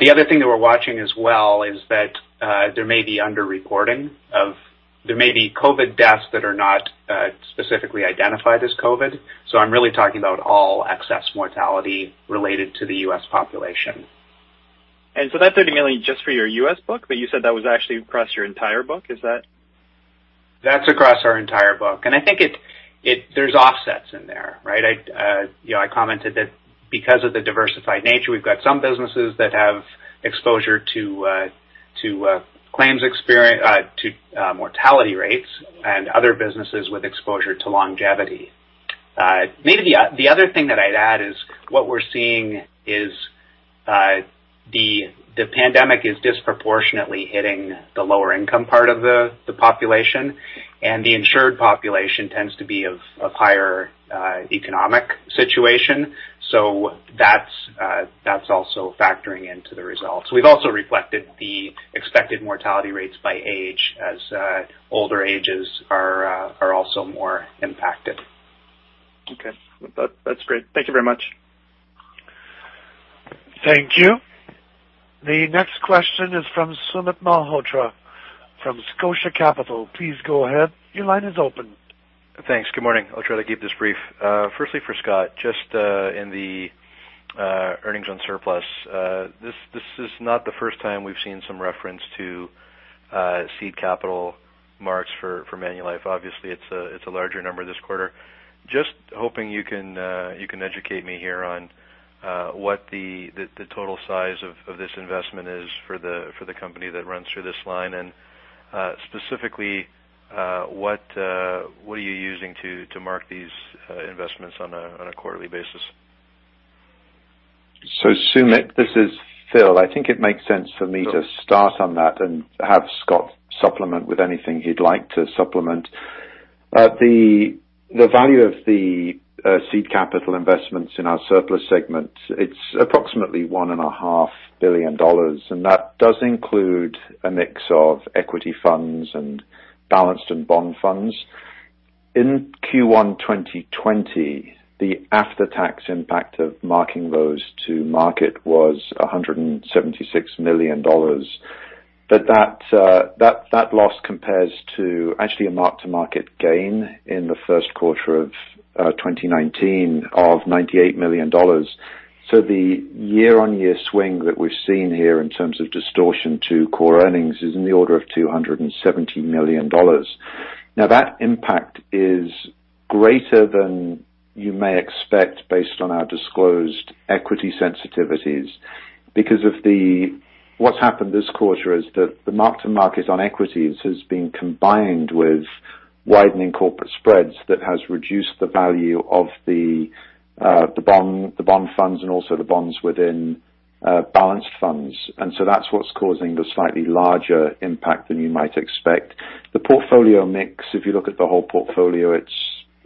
The other thing that we are watching as well is that there may be underreporting of—there may be COVID deaths that are not specifically identified as COVID. I am really talking about all excess mortality related to the U.S. population. That is only just for your U.S. book, but you said that was actually across your entire book. Is that? That is across our entire book. I think there are offsets in there, right? I commented that because of the diversified nature, we've got some businesses that have exposure to claims mortality rates and other businesses with exposure to longevity. Maybe the other thing that I'd add is what we're seeing is the pandemic is disproportionately hitting the lower-income part of the population. And the insured population tends to be of higher economic situation. So that's also factoring into the results. We've also reflected the expected mortality rates by age as older ages are also more impacted. Okay. That's great. Thank you very much. Thank you. The next question is from Sumit Malhotra from Scotia Capital. Please go ahead. Your line is open. Thanks. Good morning. I'll try to keep this brief. Firstly, for Scott, just in the earnings on surplus, this is not the first time we've seen some reference to seed capital marks for Manulife. Obviously, it's a larger number this quarter. Just hoping you can educate me here on what the total size of this investment is for the company that runs through this line. Specifically, what are you using to mark these investments on a quarterly basis? Sumit, this is Phil. I think it makes sense for me to start on that and have Scott supplement with anything he'd like to supplement. The value of the seed capital investments in our surplus segment, it's approximately 1.5 billion dollars. That does include a mix of equity funds and balanced and bond funds. In Q1 2020, the after-tax impact of marking those to market was 176 million dollars. That loss compares to actually a mark-to-market gain in the first quarter of 2019 of 98 million dollars. The year-on-year swing that we've seen here in terms of distortion to core earnings is in the order of 270 million dollars. Now, that impact is greater than you may expect based on our disclosed equity sensitivities. Because of what's happened this quarter is that the mark-to-market on equities has been combined with widening corporate spreads that has reduced the value of the bond funds and also the bonds within balanced funds. That is what's causing the slightly larger impact than you might expect. The portfolio mix, if you look at the whole portfolio, it's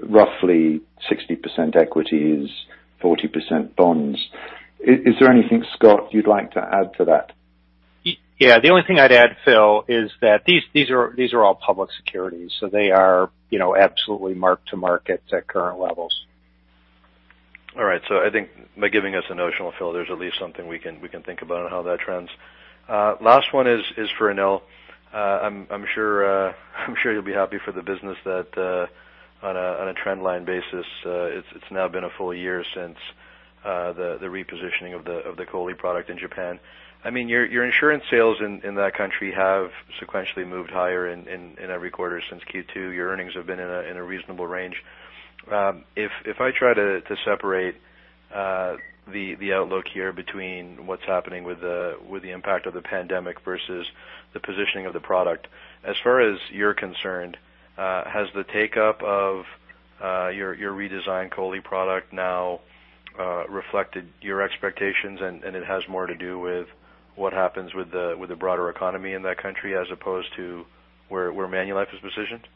roughly 60% equities, 40% bonds. Is there anything, Scott, you'd like to add to that? Yeah. The only thing I'd add, Phil, is that these are all public securities. They are absolutely mark-to-market at current levels. All right. I think by giving us a notional fill, there's at least something we can think about on how that trends. Last one is for Anil. I'm sure you'll be happy for the business that on a trendline basis, it's now been a full year since the repositioning of the Coli product in Japan. I mean, your insurance sales in that country have sequentially moved higher in every quarter since Q2. Your earnings have been in a reasonable range. If I try to separate the outlook here between what's happening with the impact of the pandemic versus the positioning of the product, as far as you're concerned, has the take-up of your redesigned Coli product now reflected your expectations? It has more to do with what happens with the broader economy in that country as opposed to where Manulife is positioned?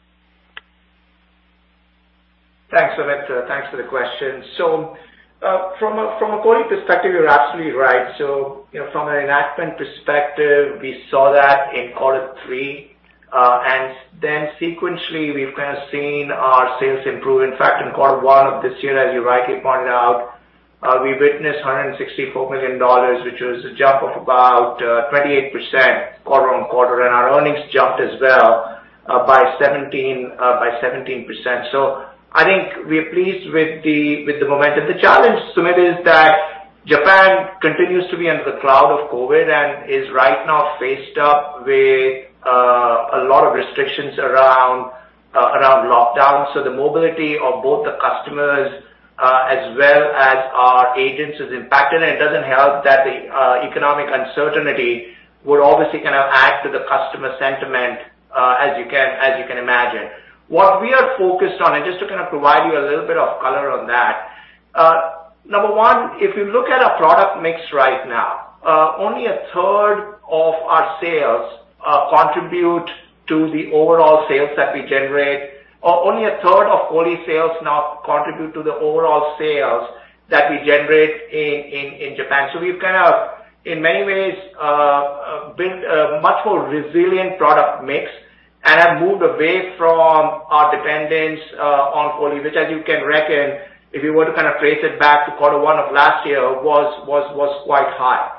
Thanks for the question. From a Coli perspective, you're absolutely right. From an enactment perspective, we saw that in quarter three. Then sequentially, we've kind of seen our sales improve.In fact, in quarter one of this year, as you rightly pointed out, we witnessed $164 million, which was a jump of about 28% quarter on quarter. Our earnings jumped as well by 17%. I think we're pleased with the momentum. The challenge, Sumit, is that Japan continues to be under the cloud of COVID and is right now faced up with a lot of restrictions around lockdown. The mobility of both the customers as well as our agents is impacted. It doesn't help that the economic uncertainty would obviously kind of add to the customer sentiment, as you can imagine. What we are focused on, and just to kind of provide you a little bit of color on that, number one, if you look at our product mix right now, only a third of our sales contribute to the overall sales that we generate. Only a third of Coli sales now contribute to the overall sales that we generate in Japan. We have kind of, in many ways, built a much more resilient product mix and have moved away from our dependence on Coli, which, as you can reckon, if you were to kind of trace it back to quarter one of last year, was quite high.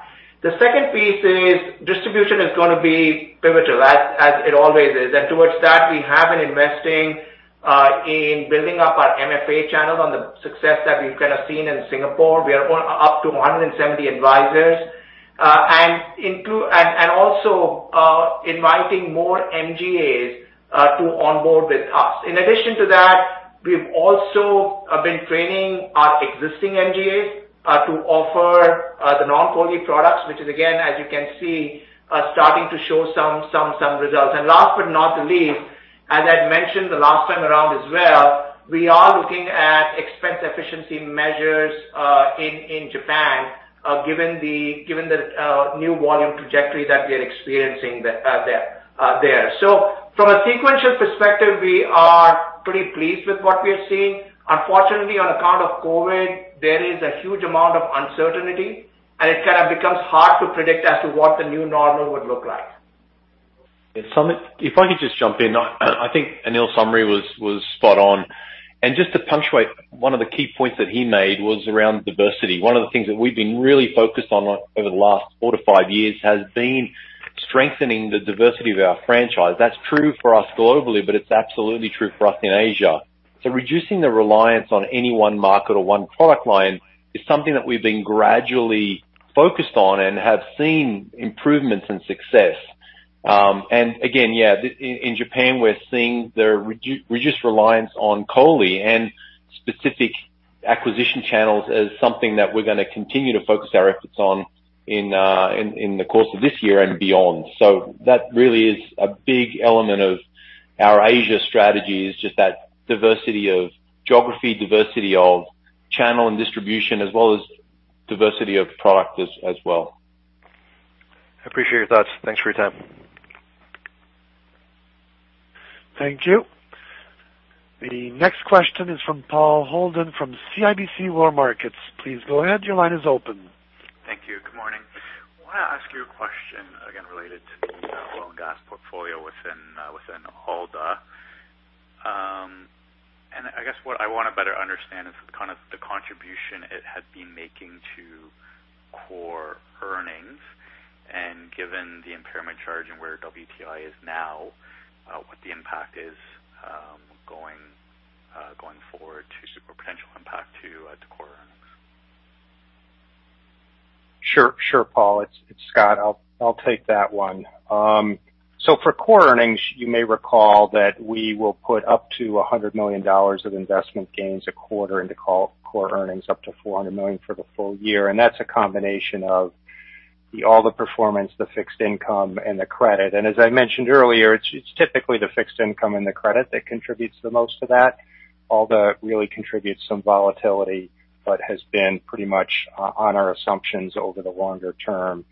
The second piece is distribution is going to be pivotal, as it always is. Towards that, we have been investing in building up our MFA channel on the success that we have kind of seen in Singapore. We are up to 170 advisors. We are also inviting more MGAs to onboard with us. In addition to that, we have also been training our existing MGAs to offer the non-Coli products, which is, again, as you can see, starting to show some results. Last but not the least, as I had mentioned the last time around as well, we are looking at expense efficiency measures in Japan, given the new volume trajectory that we are experiencing there. From a sequential perspective, we are pretty pleased with what we are seeing. Unfortunately, on account of COVID, there is a huge amount of uncertainty. It kind of becomes hard to predict as to what the new normal would look like. If I could just jump in, I think Anil's summary was spot on. Just to punctuate, one of the key points that he made was around diversity. One of the things that we've been really focused on over the last four to five years has been strengthening the diversity of our franchise. That's true for us globally, but it's absolutely true for us in Asia. Reducing the reliance on any one market or one product line is something that we've been gradually focused on and have seen improvements in success. In Japan, we're seeing the reduced reliance on Coli and specific acquisition channels as something that we're going to continue to focus our efforts on in the course of this year and beyond. That really is a big element of our Asia strategy, just that diversity of geography, diversity of channel and distribution, as well as diversity of product as well. I appreciate your thoughts. Thanks for your time. Thank you. The next question is from Paul Holden from CIBC World Markets. Please go ahead. Your line is open. Thank you. Good morning. I want to ask you a question, again, related to the oil and gas portfolio within Holder. I guess what I want to better understand is kind of the contribution it had been making to core earnings. Given the impairment charge and where WTI is now, what the impact is going forward to or potential impact to core earnings. Sure. Sure, Paul. It's Scott. I'll take that one. For core earnings, you may recall that we will put up to $100 million of investment gains a quarter into core earnings, up to $400 million for the full year. That is a combination of all the performance, the fixed income, and the credit. As I mentioned earlier, it's typically the fixed income and the credit that contributes the most to that. Holder really contributes some volatility but has been pretty much on our assumptions over the longer term.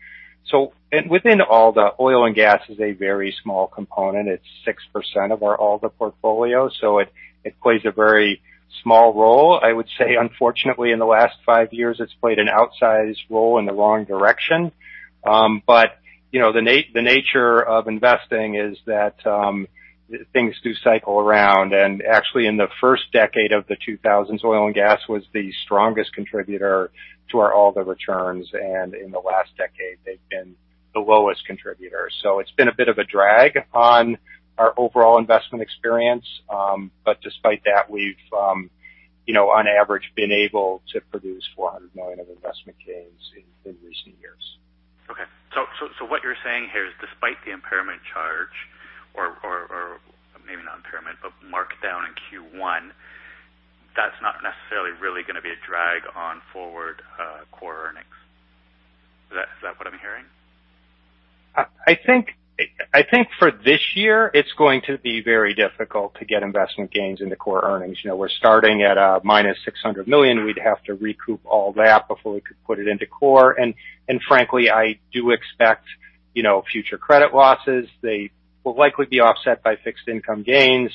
Within Holder, oil and gas is a very small component. It's 6% of our Holder portfolio. It plays a very small role. I would say, unfortunately, in the last five years, it's played an outsized role in the wrong direction. The nature of investing is that things do cycle around. Actually, in the first decade of the 2000s, oil and gas was the strongest contributor to our Holder returns. In the last decade, they've been the lowest contributor. It's been a bit of a drag on our overall investment experience. Despite that, we've, on average, been able to produce $400 million of investment gains in recent years. Okay. What you're saying here is, despite the impairment charge, or maybe not impairment, but marked down in Q1, that's not necessarily really going to be a drag on forward core earnings. Is that what I'm hearing? I think for this year, it's going to be very difficult to get investment gains into core earnings. We're starting at a minus $600 million. We'd have to recoup all that before we could put it into core. Frankly, I do expect future credit losses. They will likely be offset by fixed income gains.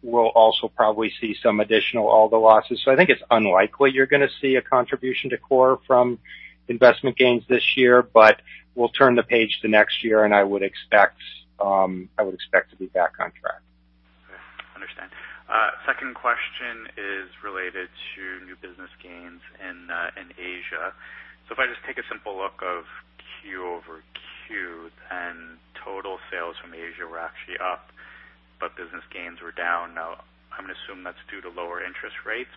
We'll also probably see some additional Holder losses. I think it's unlikely you're going to see a contribution to core from investment gains this year. We'll turn the page to next year. I would expect to be back on track. Okay. Understand. Second question is related to new business gains in Asia. If I just take a simple look of Q over Q, then total sales from Asia were actually up, but business gains were down. I'm going to assume that's due to lower interest rates.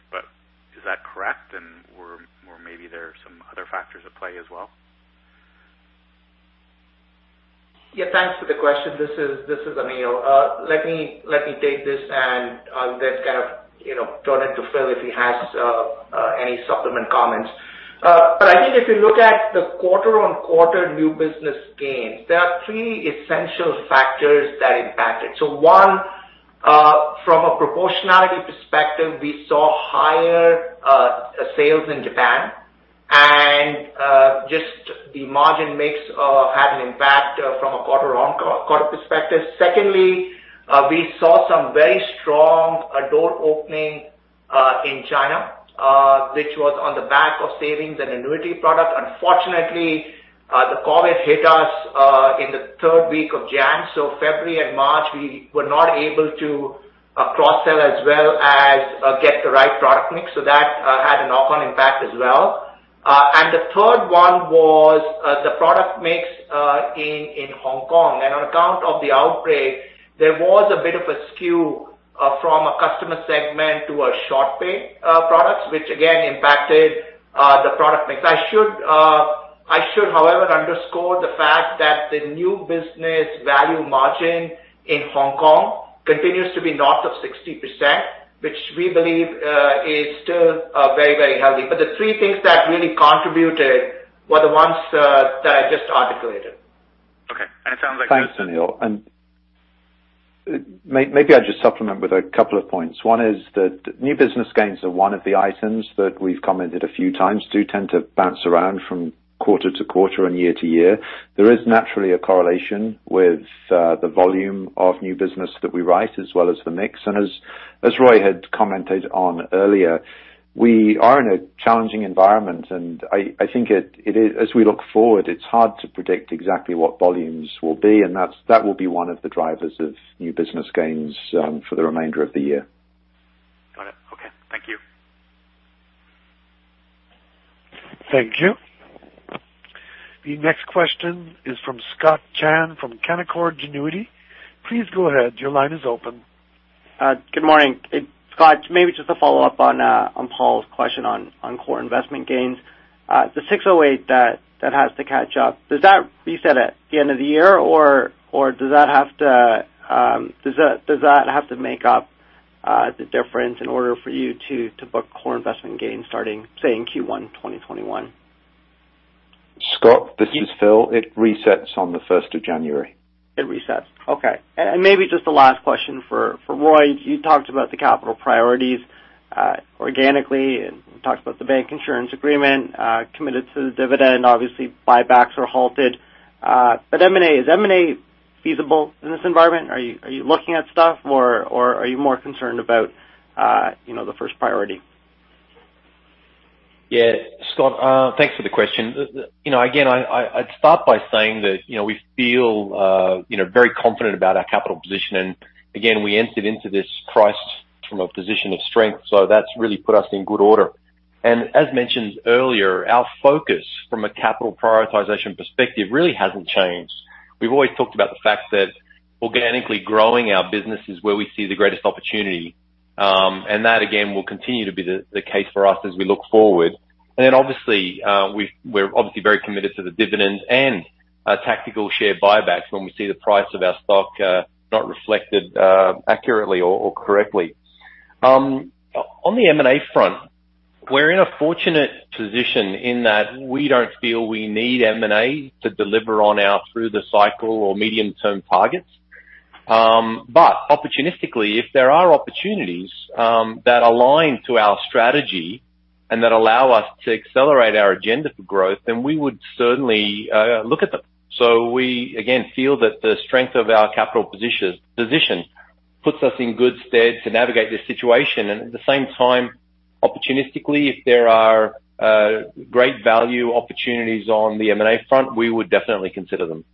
Is that correct? Maybe there are some other factors at play as well? Yeah. Thanks for the question. This is Anil. Let me take this and then turn it to Phil if he has any supplement comments. I think if you look at the quarter-on-quarter new business gains, there are three essential factors that impact it. One, from a proportionality perspective, we saw higher sales in Japan. Just the margin mix had an impact from a quarter-on-quarter perspective. Secondly, we saw some very strong door opening in China, which was on the back of savings and annuity product. Unfortunately, the COVID hit us in the third week of January. February and March, we were not able to cross-sell as well as get the right product mix. That had a knock-on impact as well. The third one was the product mix in Hong Kong. On account of the outbreak, there was a bit of a skew from a customer segment to our short-paid products, which, again, impacted the product mix. I should, however, underscore the fact that the new business value margin in Hong Kong continues to be north of 60%, which we believe is still very, very healthy. The three things that really contributed were the ones that I just articulated. Okay. It sounds like those. Thanks, Anil. Maybe I'll just supplement with a couple of points. One is that new business gains are one of the items that we've commented a few times. They do tend to bounce around from quarter to quarter and year to year. There is naturally a correlation with the volume of new business that we write as well as the mix. As Roy had commented on earlier, we are in a challenging environment. I think as we look forward, it's hard to predict exactly what volumes will be. That will be one of the drivers of new business gains for the remainder of the year. Got it. Okay. Thank you. Thank you. The next question is from Scott Chan from Canaccord Genuity. Please go ahead. Your line is open. Good morning. Scott, maybe just a follow-up on Paul's question on core investment gains. The 608 that has to catch up, does that reset at the end of the year? Or does that have to make up the difference in order for you to book core investment gains starting, say, in Q1 2021? Scott, this is Phil. It resets on the 1st of January. It resets. Okay. Maybe just the last question for Roy. You talked about the capital priorities organically. We talked about the bank insurance agreement, committed to the dividend. Obviously, buybacks are halted. M&A, is M&A feasible in this environment? Are you looking at stuff? Are you more concerned about the first priority? Yeah. Scott, thanks for the question. Again, I'd start by saying that we feel very confident about our capital position. Again, we entered into this price from a position of strength. That has really put us in good order. As mentioned earlier, our focus from a capital prioritization perspective really has not changed. We've always talked about the fact that organically growing our business is where we see the greatest opportunity. That, again, will continue to be the case for us as we look forward. We are obviously very committed to the dividend and tactical share buybacks when we see the price of our stock not reflected accurately or correctly. On the M&A front, we are in a fortunate position in that we do not feel we need M&A to deliver on our through-the-cycle or medium-term targets. Opportunistically, if there are opportunities that align to our strategy and that allow us to accelerate our agenda for growth, we would certainly look at them. We feel that the strength of our capital position puts us in good stead to navigate this situation. At the same time, opportunistically, if there are great value opportunities on the M&A front, we would definitely consider them.